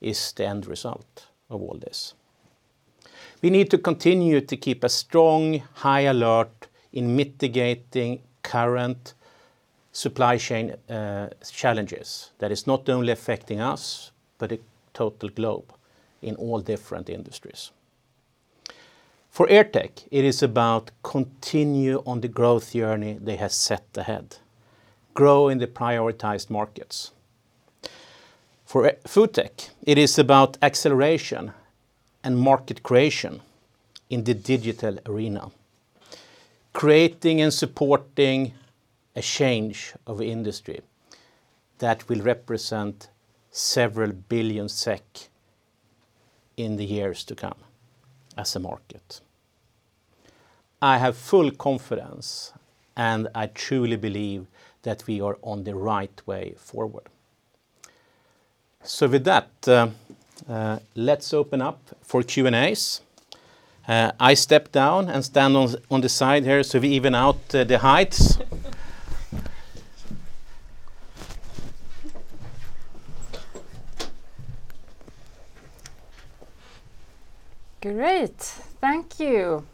[SPEAKER 2] is the end result of all this. We need to continue to keep a strong, high alert in mitigating current supply chain challenges that is not only affecting us, but the total globe in all different industries. For AirTech, it is about continue on the growth journey they have set ahead, grow in the prioritized markets. For FoodTech, it is about acceleration and market creation in the digital arena, creating and supporting a change of industry that will represent several billion SEK in the years to come as a market. I have full confidence, I truly believe that we are on the right way forward. With that, let's open up for Q&As. I step down and stand on the side here, we even out the heights.
[SPEAKER 1] Great. Thank you.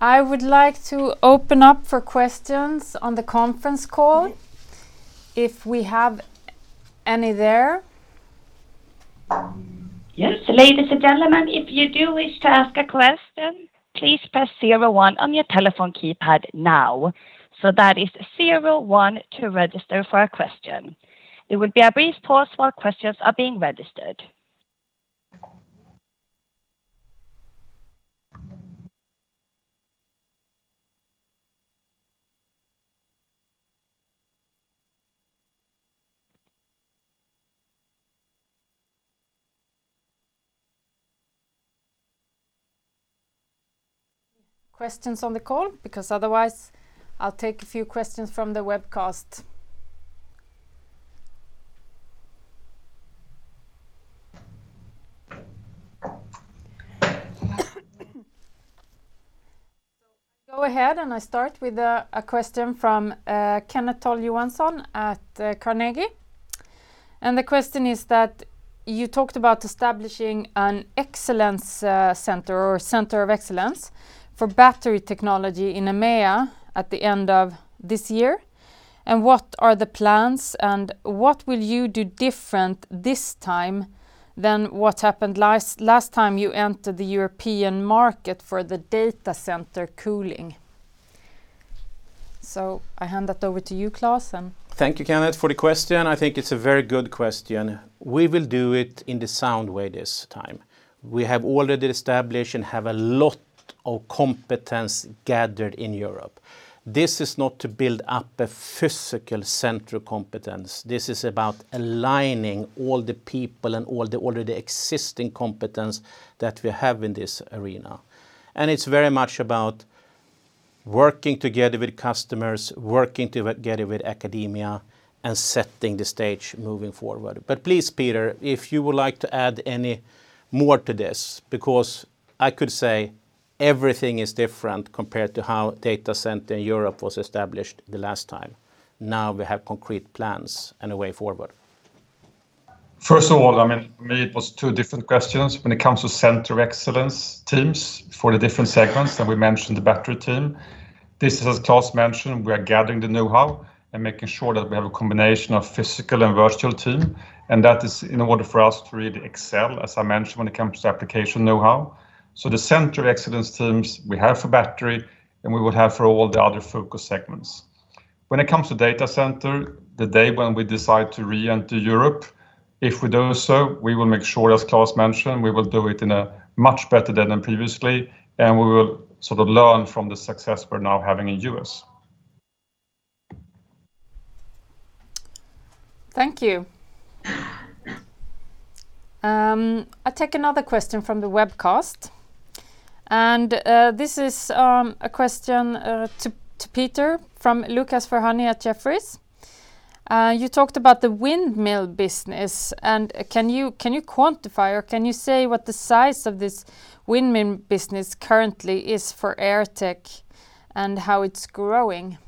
[SPEAKER 1] I would like to open up for questions on the conference call, if we have any there.
[SPEAKER 10] Yes, ladies and gentlemen, if you do wish to ask a question, please press zero one on your telephone keypad now. That is zero one to register for a question. There will be a brief pause while questions are being registered.
[SPEAKER 1] Questions on the call? Because otherwise, I'll take a few questions from the webcast. I'll go ahead, and I start with a question from Kenneth Toll Johansson at Carnegie. The question is that you talked about establishing an excellence center, or center of excellence, for battery technology in EMEA at the end of this year, and what are the plans, and what will you do different this time than what happened last time you entered the European market for the data center cooling? I hand that over to you, Klas.
[SPEAKER 2] Thank you, Kenneth, for the question. I think it's a very good question. We will do it in the sound way this time. We have already established and have a lot of competence gathered in Europe. This is not to build up a physical center of competence. This is about aligning all the people and all the already existing competence that we have in this arena. It's very much about working together with customers, working together with academia, and setting the stage moving forward. Please, Peter, if you would like to add any more to this, because I could say everything is different compared to how data center in Europe was established the last time. Now we have concrete plans and a way forward.
[SPEAKER 5] First of all, for me, it was two different questions. When it comes to Center of Excellence teams for the different segments, and we mentioned the battery team, this is, as Klas mentioned, we are gathering the know-how and making sure that we have a combination of physical and virtual team, and that is in order for us to really excel, as I mentioned, when it comes to application know-how. The Center of Excellence teams we have for battery, and we will have for all the other focus segments. When it comes to data center, the day when we decide to re-enter Europe, if we do so, we will make sure, as Klas mentioned, we will do it in a much better than previously, and we will learn from the success we're now having in U.S.
[SPEAKER 1] Thank you. I'll take another question from the webcast. This is a question to Peter from Lucas Ferhani at Jefferies. You talked about the windmill business. Can you quantify or can you say what the size of this windmill business currently is for AirTech and how it's growing?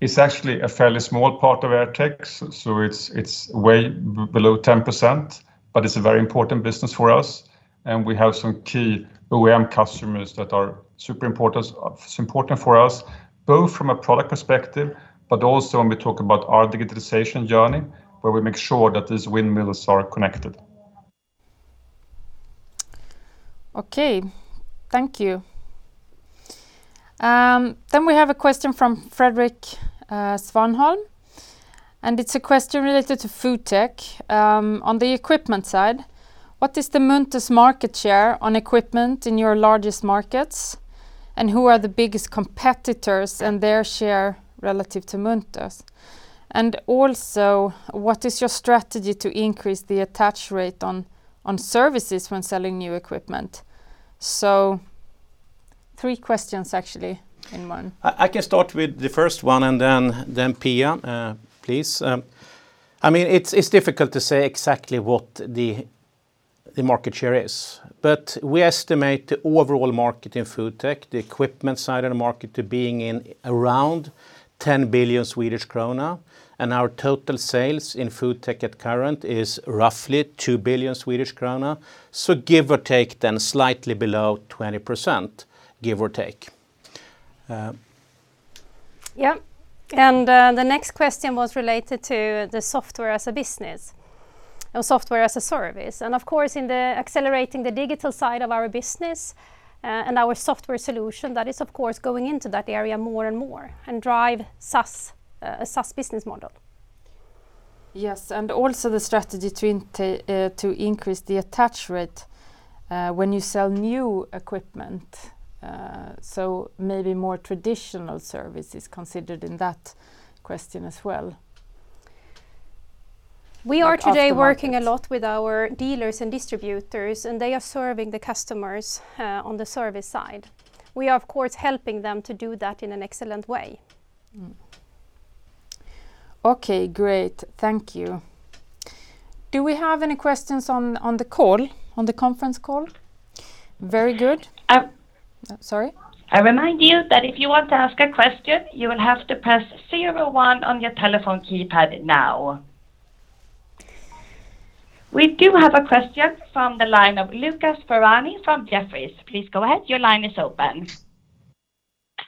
[SPEAKER 5] It's actually a fairly small part of AirTech, so it's way below 10%, but it's a very important business for us, and we have some key OEM customers that are super important for us, both from a product perspective, but also when we talk about our digitalization journey, where we make sure that these windmills are connected.
[SPEAKER 1] Okay. Thank you. We have a question from Fredrik Svanholm. It's a question related to FoodTech. On the equipment side, what is the Munters market share on equipment in your largest markets? Who are the biggest competitors and their share relative to Munters? What is your strategy to increase the attach rate on services when selling new equipment? Three questions actually in one.
[SPEAKER 2] I can start with the first one, and then Pia, please. It's difficult to say exactly what the market share is, but we estimate the overall market in FoodTech, the equipment side of the market, to being around 10 billion Swedish krona, and our total sales in FoodTech at current is roughly 2 billion Swedish krona. Give or take then, slightly below 20%.
[SPEAKER 7] Yes. The next question was related to the software as a business, or Software as a Service. Of course, in the accelerating the digital side of our business and our software solution, that is of course going into that area more and more, and drive a SaaS business model.
[SPEAKER 1] Also the strategy to increase the attach rate when you sell new equipment. Maybe more traditional services considered in that question as well.
[SPEAKER 7] We are today working a lot with our dealers and distributors, and they are serving the customers on the service side. We are, of course, helping them to do that in an excellent way.
[SPEAKER 1] Okay, great. Thank you. Do we have any questions on the conference call? Very good.
[SPEAKER 10] I-
[SPEAKER 1] Sorry?
[SPEAKER 10] I remind you that if you want to ask a question, you will have to press zero one on your telephone keypad now. We do have a question from the line of Lucas Ferhani from Jefferies. Please go ahead. Your line is open.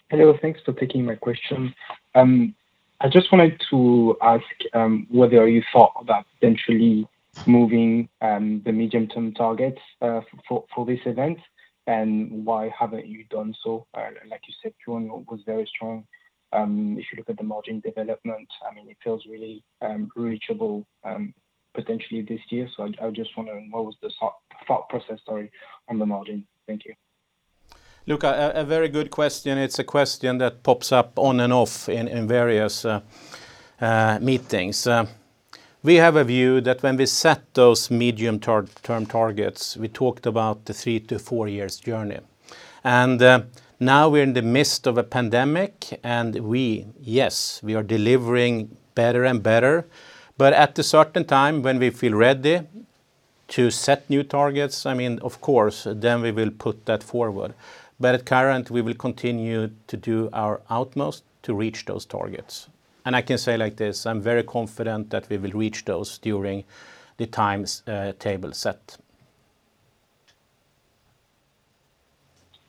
[SPEAKER 11] Hello. Thanks for taking my question. I just wanted to ask whether you thought about potentially moving the medium-term targets for this event, and why haven't you done so? Like you said, Q1 was very strong. If you look at the margin development, it feels really reachable potentially this year. I just wonder what was the thought process on the margin. Thank you.
[SPEAKER 2] Lucas, a very good question. It's a question that pops up on and off in various meetings. We have a view that when we set those medium-term targets, we talked about the three to four years journey. Now we're in the midst of a pandemic, we are delivering better and better. At a certain time when we feel ready to set new targets, of course, we will put that forward. At current, we will continue to do our utmost to reach those targets. I can say like this, I'm very confident that we will reach those during the times table set.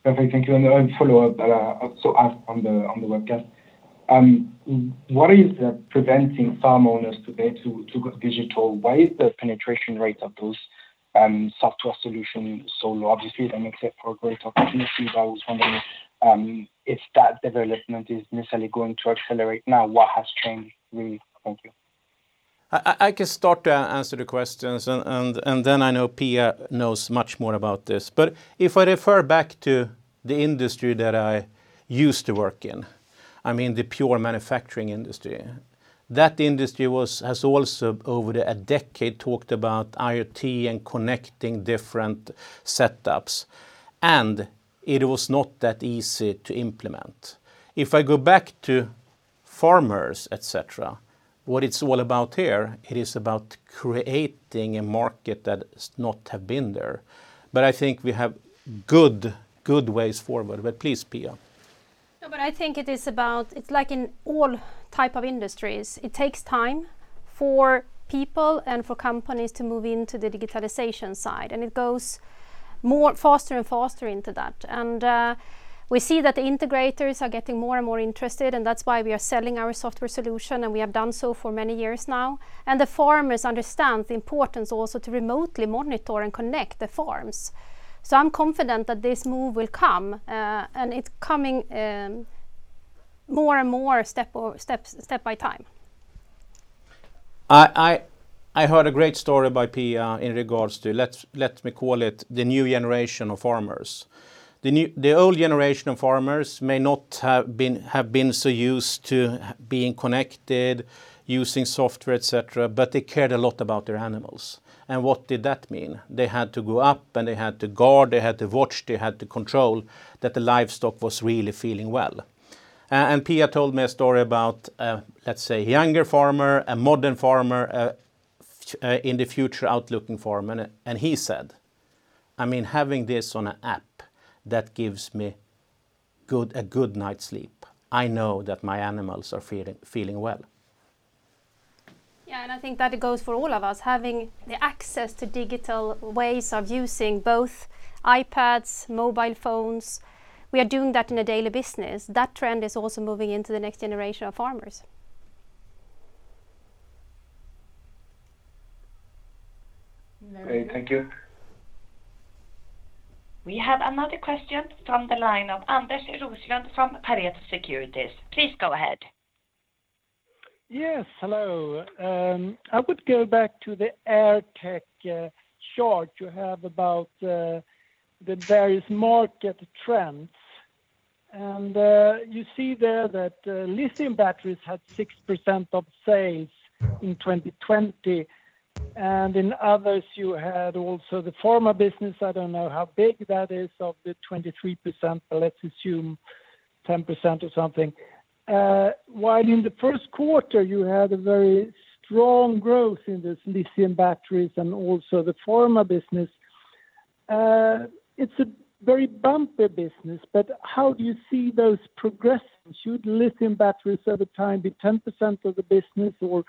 [SPEAKER 11] Okay, thank you. A follow-up that I also asked on the webcast. What is preventing farm owners today to go digital? Why is the penetration rate of those software solutions so low? Obviously, that makes it for a greater opportunity, but I was wondering if that development is necessarily going to accelerate now. What has changed, really? Thank you.
[SPEAKER 2] I can start to answer the questions, and then I know Pia knows much more about this. If I refer back to the industry that I used to work in, the pure manufacturing industry. That industry has also, over a decade, talked about IoT and connecting different setups, and it was not that easy to implement. If I go back to farmers, et cetera, what it's all about here, it is about creating a market that has not been there. I think we have good ways forward. Please, Pia.
[SPEAKER 7] I think it's like in all type of industries. It takes time for people and for companies to move into the digitalization side, and it goes faster and faster into that. We see that the integrators are getting more and more interested. That's why we are selling our software solution. We have done so for many years now. The farmers understand the importance also to remotely monitor and connect the farms. I'm confident that this move will come. It's coming more and more step by time.
[SPEAKER 2] I heard a great story by Pia in regards to, let me call it, the new generation of farmers. The old generation of farmers may not have been so used to being connected, using software, et cetera, but they cared a lot about their animals. What did that mean? They had to go up, and they had to guard, they had to watch, they had to control that the livestock was really feeling well. Pia told me a story about, let's say, a younger farmer, a modern farmer, in the future-outlooking farmer, and he said, "Having this on an app, that gives me a good night's sleep. I know that my animals are feeling well.
[SPEAKER 7] I think that it goes for all of us. Having the access to digital ways of using both iPads, mobile phones, we are doing that in a daily business. That trend is also moving into the next generation of farmers.
[SPEAKER 11] Okay, thank you.
[SPEAKER 10] We have another question from the line of Anders Roslund from Pareto Securities. Please go ahead.
[SPEAKER 12] Yes, hello. I would go back to the AirTech chart you have about the various market trends. You see there that lithium batteries had 6% of sales in 2020, and in others you had also the pharma business. I don't know how big that is of the 23%, but let's assume 10% or something. While in the first quarter you had a very strong growth in this lithium batteries and also the pharma business. It's a very bumpy business. How do you see those progressing? Should lithium batteries over time be 10% of the business, or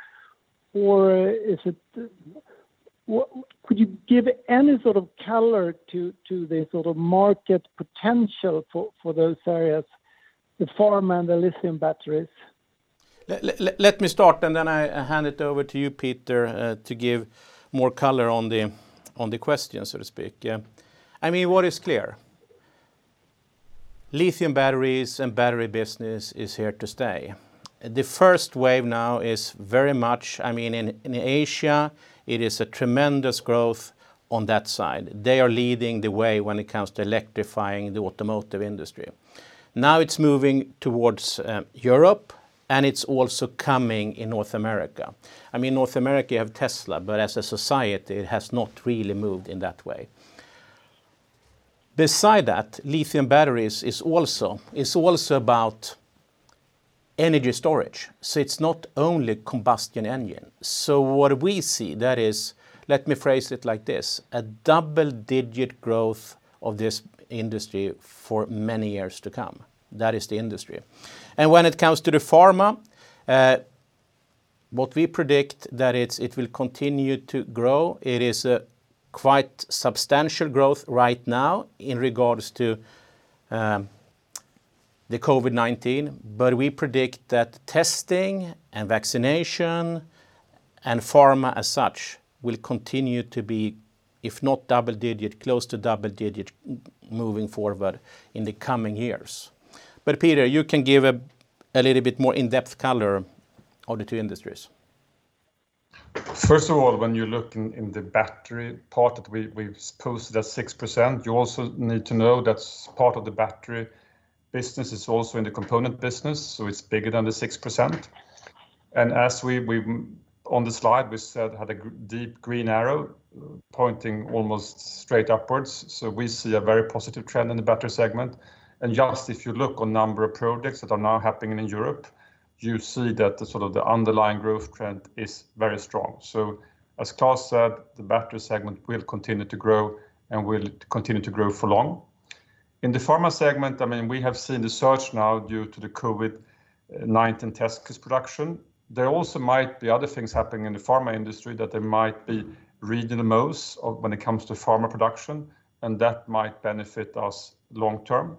[SPEAKER 12] could you give any sort of color to the market potential for those areas, the pharma and the lithium batteries?
[SPEAKER 2] Let me start, and then I hand it over to you, Peter, to give more color on the question, so to speak. What is clear, lithium batteries and battery business is here to stay. The first wave now is very much in Asia, it is a tremendous growth on that side. They are leading the way when it comes to electrifying the automotive industry. Now it's moving towards Europe, and it's also coming in North America. North America, you have Tesla, but as a society, it has not really moved in that way. Besides that, lithium batteries is also about energy storage, so it's not only combustion engine. What we see that is, let me phrase it like this, a double-digit growth of this industry for many years to come. That is the industry. When it comes to the pharma, what we predict that it will continue to grow. It is quite substantial growth right now in regards to the COVID-19. We predict that testing and vaccination and pharma as such will continue to be, if not double-digit, close to double-digit moving forward in the coming years. Peter, you can give a little bit more in-depth color on the two industries.
[SPEAKER 5] First of all, when you look in the battery part that we've posted at 6%, you also need to know that's part of the battery business is also in the component business, so it's bigger than the 6%. On the slide, we said had a deep green arrow pointing almost straight upwards, so we see a very positive trend in the battery segment. Just if you look on number of projects that are now happening in Europe, you see that the underlying growth trend is very strong. As Klas said, the battery segment will continue to grow and will continue to grow for long. In the pharma segment, we have seen the surge now due to the COVID-19 test kits production. There also might be other things happening in the pharma industry that there might be reading the most of when it comes to pharma production, and that might benefit us long term.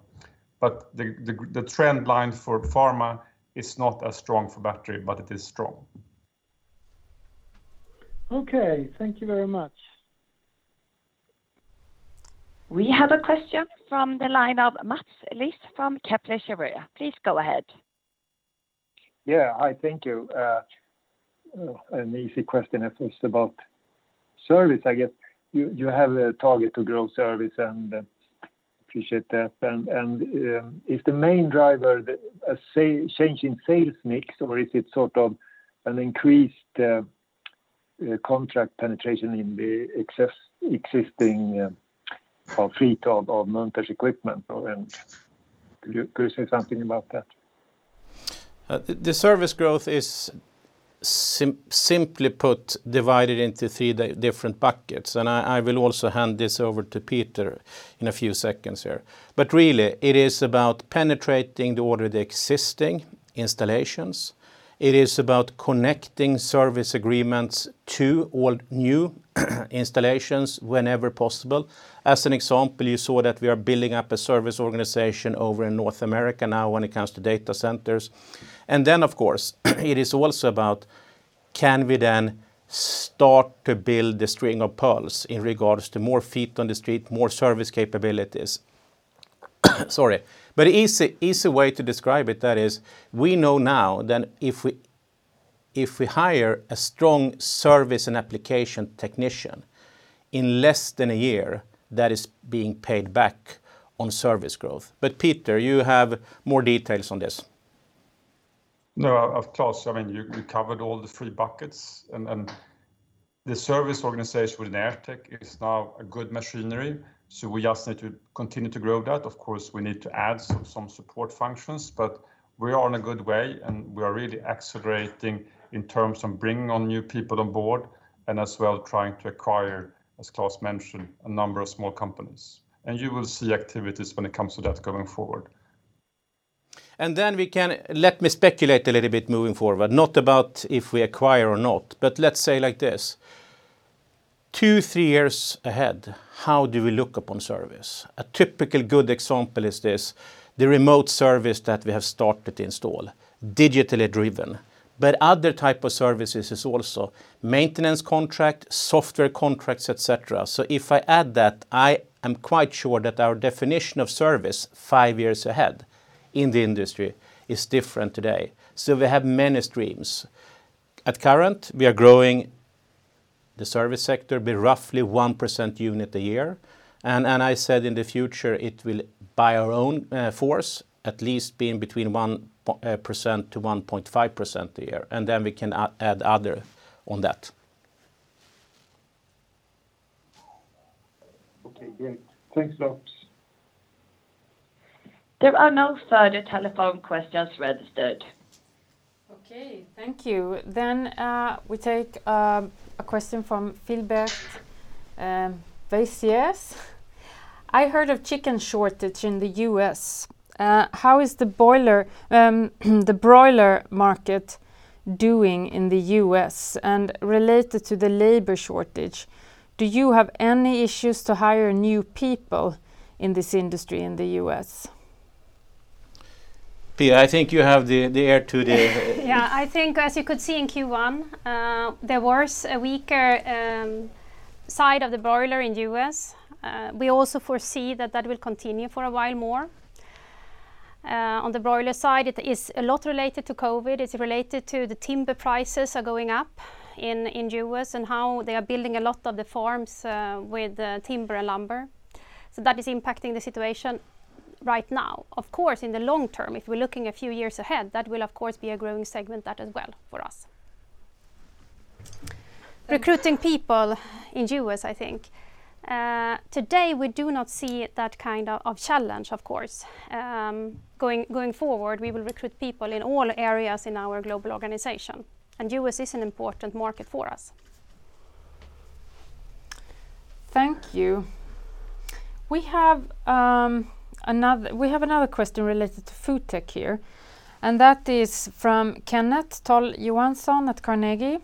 [SPEAKER 5] The trend line for pharma is not as strong for battery, but it is strong.
[SPEAKER 12] Okay. Thank you very much.
[SPEAKER 10] We have a question from the line of Mats Liss from Kepler Cheuvreux. Please go ahead.
[SPEAKER 13] Yeah. Hi, thank you. An easy question at first about service, I guess. You have a target to grow service and appreciate that. Is the main driver a change in sales mix, or is it an increased contract penetration in the existing fleet of Munters equipment? Could you say something about that?
[SPEAKER 2] The service growth is simply put, divided into three different buckets, I will also hand this over to Peter in a few seconds here. Really, it is about penetrating the already existing installations. It is about connecting service agreements to all new installations whenever possible. As an example, you saw that we are building up a service organization over in North America now when it comes to data centers. Of course, it is also about can we then start to build a string of pearls in regards to more feet on the street, more service capabilities? Sorry. Easy way to describe it, that is, we know now that if we hire a strong service and application technician, in less than a year, that is being paid back on service growth. Peter, you have more details on this.
[SPEAKER 5] No. Klas, you covered all the three buckets. The service organization within AirTech is now a good machinery, so we just need to continue to grow that. Of course, we need to add some support functions, but we are on a good way, and we are really accelerating in terms of bringing on new people on board and as well trying to acquire, as Klas mentioned, a number of small companies. You will see activities when it comes to that going forward.
[SPEAKER 2] Then let me speculate a little bit moving forward, not about if we acquire or not, but let's say like this. Two, three years ahead, how do we look upon service? A typical good example is this, the remote service that we have started to install, digitally driven. Other type of services is also maintenance contract, software contracts, et cetera. If I add that, I am quite sure that our definition of service five years ahead in the industry is different today. We have many streams. At current, we are growing the service sector by roughly 1% unit a year. I said, in the future, it will, by our own force, at least be in between 1%-1.5% a year, and then we can add other on that.
[SPEAKER 13] Okay, great. Thanks a lot.
[SPEAKER 10] There are no further telephone questions registered.
[SPEAKER 1] Okay, thank you. We take a question from Philbert Vessiers. "I heard of chicken shortage in the U.S. How is the broiler market doing in the U.S.? Related to the labor shortage, do you have any issues to hire new people in this industry in the U.S.?
[SPEAKER 2] Pia, I think you have the ear today.
[SPEAKER 7] I think, as you could see in Q1, there was a weaker side of the broiler in the U.S. We also foresee that that will continue for a while more. On the broiler side, it is a lot related to COVID. It's related to the timber prices are going up in U.S., and how they are building a lot of the farms with timber and lumber. That is impacting the situation right now. Of course, in the long term, if we're looking a few years ahead, that will of course be a growing segment, that as well, for us. Recruiting people in U.S., I think. Today, we do not see that kind of challenge, of course. Going forward, we will recruit people in all areas in our global organization, and U.S. is an important market for us.
[SPEAKER 1] Thank you. We have another question related to FoodTech here. That is from Kenneth Toll Johansson at Carnegie.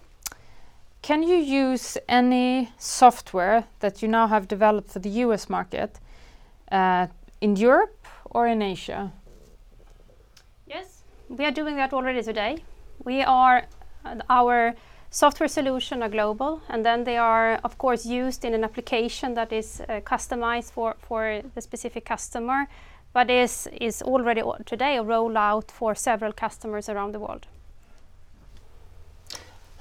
[SPEAKER 1] "Can you use any software that you now have developed for the U.S. market, in Europe or in Asia?
[SPEAKER 7] Yes, we are doing that already today. Our software solution are global, and then they are, of course, used in an application that is customized for the specific customer. It is already today a rollout for several customers around the world.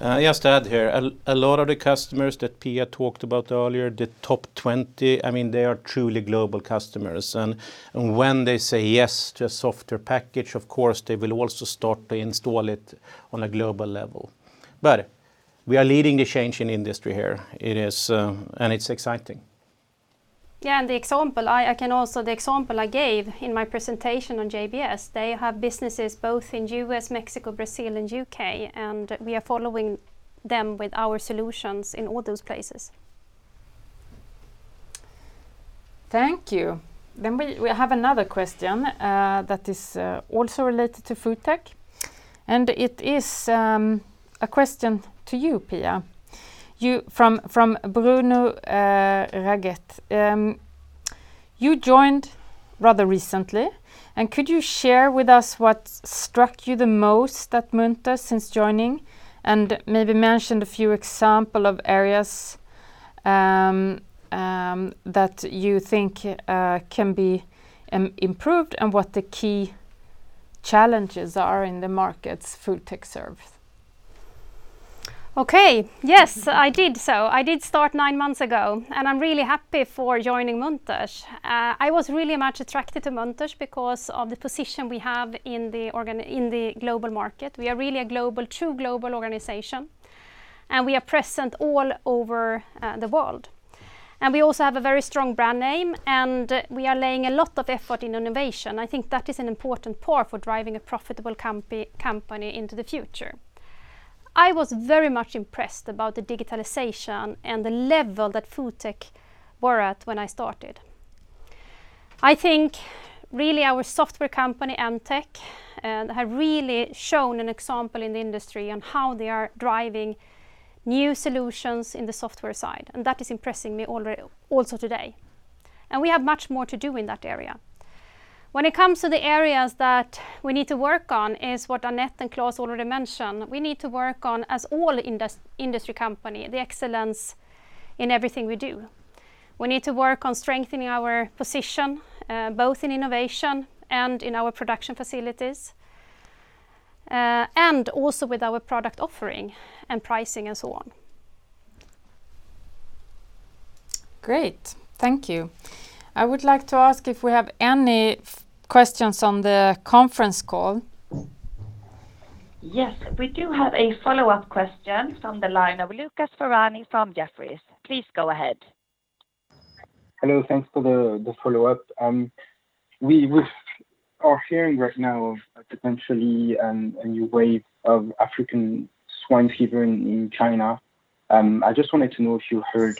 [SPEAKER 2] Just to add here. A lot of the customers that Pia talked about earlier, the top 20, they are truly global customers, and when they say yes to a software package, of course, they will also start to install it on a global level. We are leading the change in industry here. It's exciting.
[SPEAKER 7] The example I gave in my presentation on JBS, they have businesses both in U.S., Mexico, Brazil, and U.K., and we are following them with our solutions in all those places.
[SPEAKER 1] Thank you. We have another question that is also related to FoodTech, it is a question to you, Pia, from Bruno Ragheg. "You joined rather recently, and could you share with us what struck you the most at Munters since joining? And maybe mention a few example of areas that you think can be improved, and what the key challenges are in the markets FoodTech serves.
[SPEAKER 7] Okay. Yes, I did so. I did start nine months ago, and I'm really happy for joining Munters. I was really much attracted to Munters because of the position we have in the global market. We are really a true global organization, and we are present all over the world. We also have a very strong brand name, and we are laying a lot of effort in innovation. I think that is an important part for driving a profitable company into the future. I was very much impressed about the digitalization and the level that FoodTech were at when I started. I think really our software company, MTech, have really shown an example in the industry on how they are driving new solutions in the software side, and that is impressing me also today. We have much more to do in that area. When it comes to the areas that we need to work on is what Annette and Klas already mentioned. We need to work on, as all industry company, the excellence in everything we do. We need to work on strengthening our position, both in innovation and in our production facilities. Also with our product offering and pricing and so on.
[SPEAKER 1] Great. Thank you. I would like to ask if we have any questions on the conference call?
[SPEAKER 10] Yes, we do have a follow-up question from the line of Lucas Ferhani from Jefferies. Please go ahead.
[SPEAKER 11] Hello, thanks for the follow-up. We are hearing right now of potentially a new wave of African swine fever in China. I just wanted to know if you heard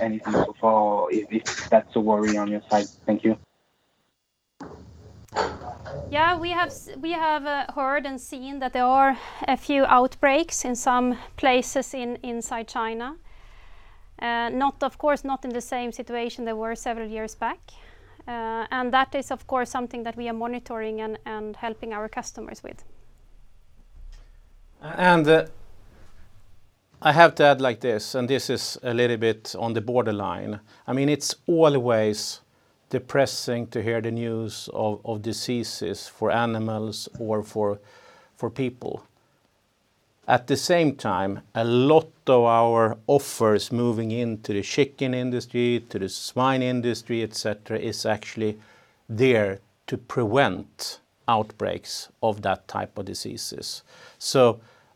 [SPEAKER 11] anything so far, if that's a worry on your side. Thank you.
[SPEAKER 7] Yeah, we have heard and seen that there are a few outbreaks in some places inside China. Of course, not in the same situation they were several years back. That is, of course, something that we are monitoring and helping our customers with.
[SPEAKER 2] I have to add this, and this is a little bit on the borderline. It's always depressing to hear the news of diseases for animals or for people. At the same time, a lot of our offers moving into the chicken industry, to the swine industry, et cetera, is actually there to prevent outbreaks of that type of diseases.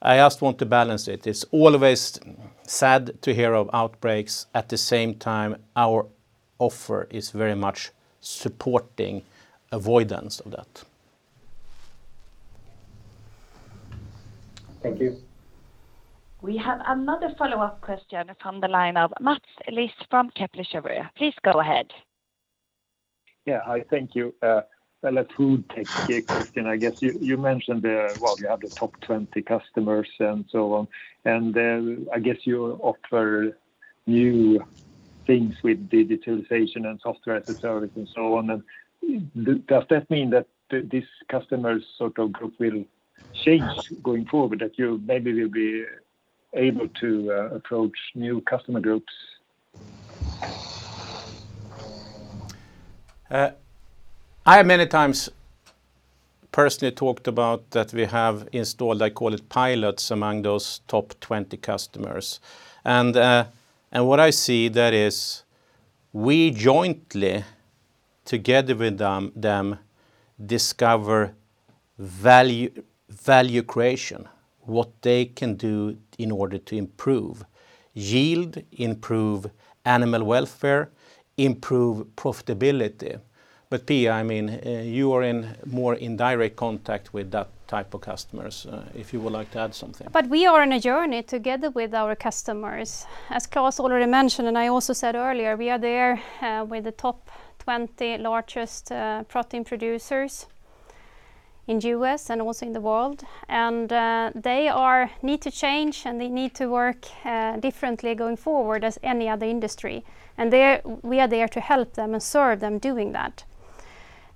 [SPEAKER 2] I just want to balance it. It's always sad to hear of outbreaks. At the same time, our offer is very much supporting avoidance of that.
[SPEAKER 11] Thank you.
[SPEAKER 10] We have another follow-up question from the line of Mats Liss from Kepler Cheuvreux. Please go ahead.
[SPEAKER 13] Yeah. Hi, thank you. Well, a FoodTech question, I guess. You mentioned you have the top 20 customers and so on, and then I guess you offer new things with digitalization and Software as a Service and so on. Does that mean that this customer group will change going forward? That you maybe will be able to approach new customer groups?
[SPEAKER 2] I have many times personally talked about that we have installed, I call it pilots among those top 20 customers. What I see there is we jointly, together with them, discover value creation, what they can do in order to improve yield, improve animal welfare, improve profitability. Pia, you are in more in direct contact with that type of customers, if you would like to add something.
[SPEAKER 7] We are on a journey together with our customers. As Klas already mentioned, and I also said earlier, we are there with the top 20 largest protein producers in U.S. and also in the world, and they need to change, and they need to work differently going forward as any other industry. We are there to help them and serve them doing that.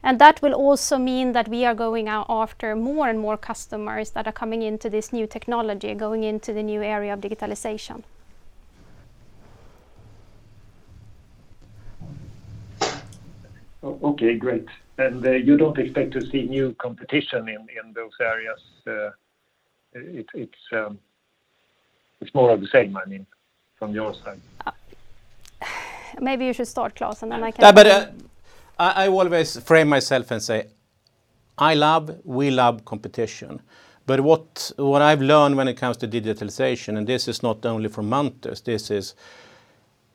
[SPEAKER 7] That will also mean that we are going out after more and more customers that are coming into this new technology, going into the new area of digitalization.
[SPEAKER 13] Okay, great. You don't expect to see new competition in those areas? It's more of the same from your side.
[SPEAKER 7] Maybe you should start Klas, and then I can.
[SPEAKER 2] I always frame myself and say, we love competition. What I've learned when it comes to digitalization, and this is not only for Munters,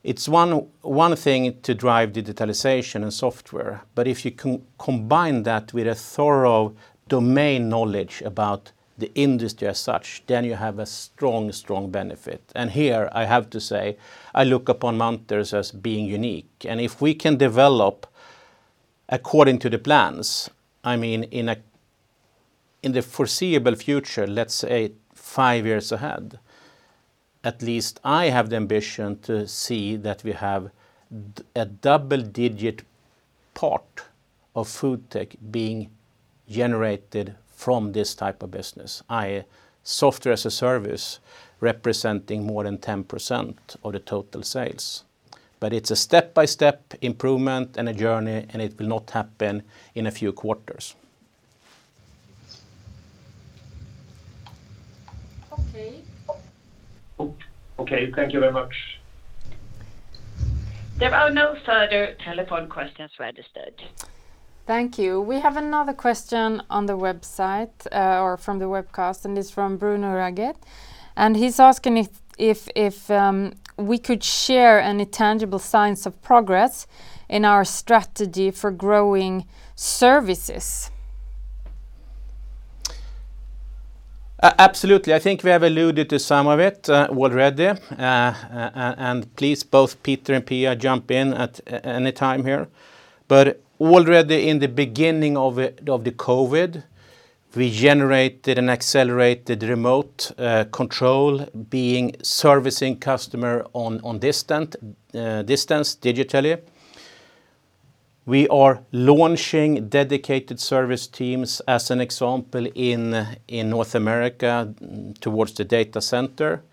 [SPEAKER 2] it's one thing to drive digitalization and software, but if you combine that with a thorough domain knowledge about the industry as such, then you have a strong benefit. Here I have to say, I look upon Munters as being unique. If we can develop according to the plans, in the foreseeable future, let's say five years ahead, at least I have the ambition to see that we have a double-digit part of FoodTech being generated from this type of business, i.e. Software as a Service representing more than 10% of the total sales. It's a step-by-step improvement and a journey, it will not happen in a few quarters.
[SPEAKER 13] Okay. Thank you very much.
[SPEAKER 10] There are no further telephone questions registered.
[SPEAKER 1] Thank you. We have another question on the website or from the webcast, and it's from Bruno Ragheg, and he's asking if we could share any tangible signs of progress in our strategy for growing services.
[SPEAKER 2] Absolutely. I think we have alluded to some of it already. Please, both Peter and Pia, jump in at any time here. Already in the beginning of the COVID, we generated and accelerated remote control being servicing customer on distance digitally. We are launching dedicated service teams, as an example, in North America towards the data center.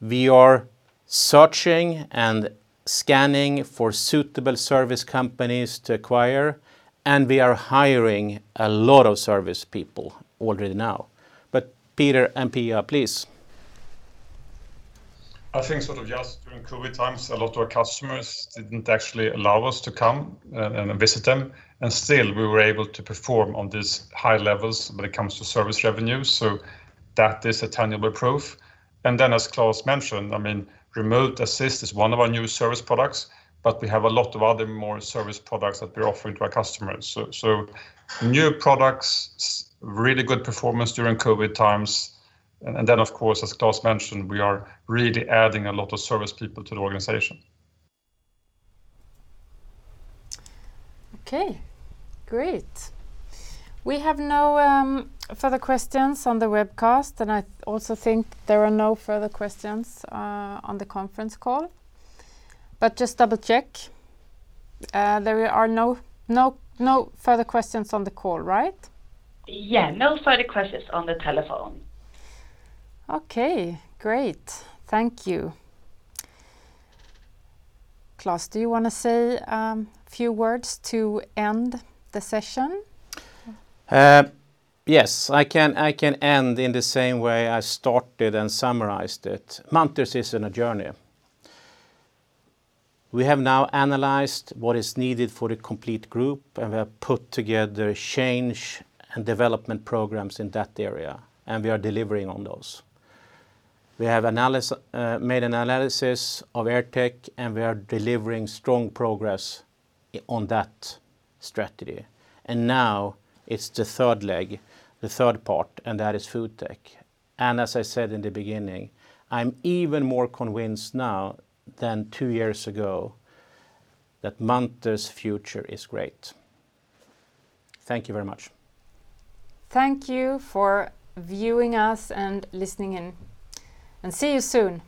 [SPEAKER 2] We are searching and scanning for suitable service companies to acquire, and we are hiring a lot of service people already now. Peter and Pia, please.
[SPEAKER 5] I think just during COVID times, a lot of our customers didn't actually allow us to come and visit them, still we were able to perform on these high levels when it comes to service revenues. That is a tangible proof. As Klas mentioned, remote assist is one of our new service products, we have a lot of other more service products that we're offering to our customers. New products, really good performance during COVID times. Of course, as Klas mentioned, we are really adding a lot of service people to the organization.
[SPEAKER 1] Okay, great. We have no further questions on the webcast. I also think there are no further questions on the conference call. Just double-check. There are no further questions on the call, right?
[SPEAKER 10] Yeah, no further questions on the telephone.
[SPEAKER 1] Okay, great. Thank you. Klas, do you want to say a few words to end the session?
[SPEAKER 2] Yes, I can end in the same way I started and summarized it. Munters is in a journey. We have now analyzed what is needed for the complete group. We have put together change and development programs in that area. We are delivering on those. We have made an analysis of AirTech. We are delivering strong progress on that strategy. Now it's the third leg, the third part. That is FoodTech. As I said in the beginning, I'm even more convinced now than two years ago that Munters' future is great. Thank you very much.
[SPEAKER 1] Thank you for viewing us and listening in. See you soon.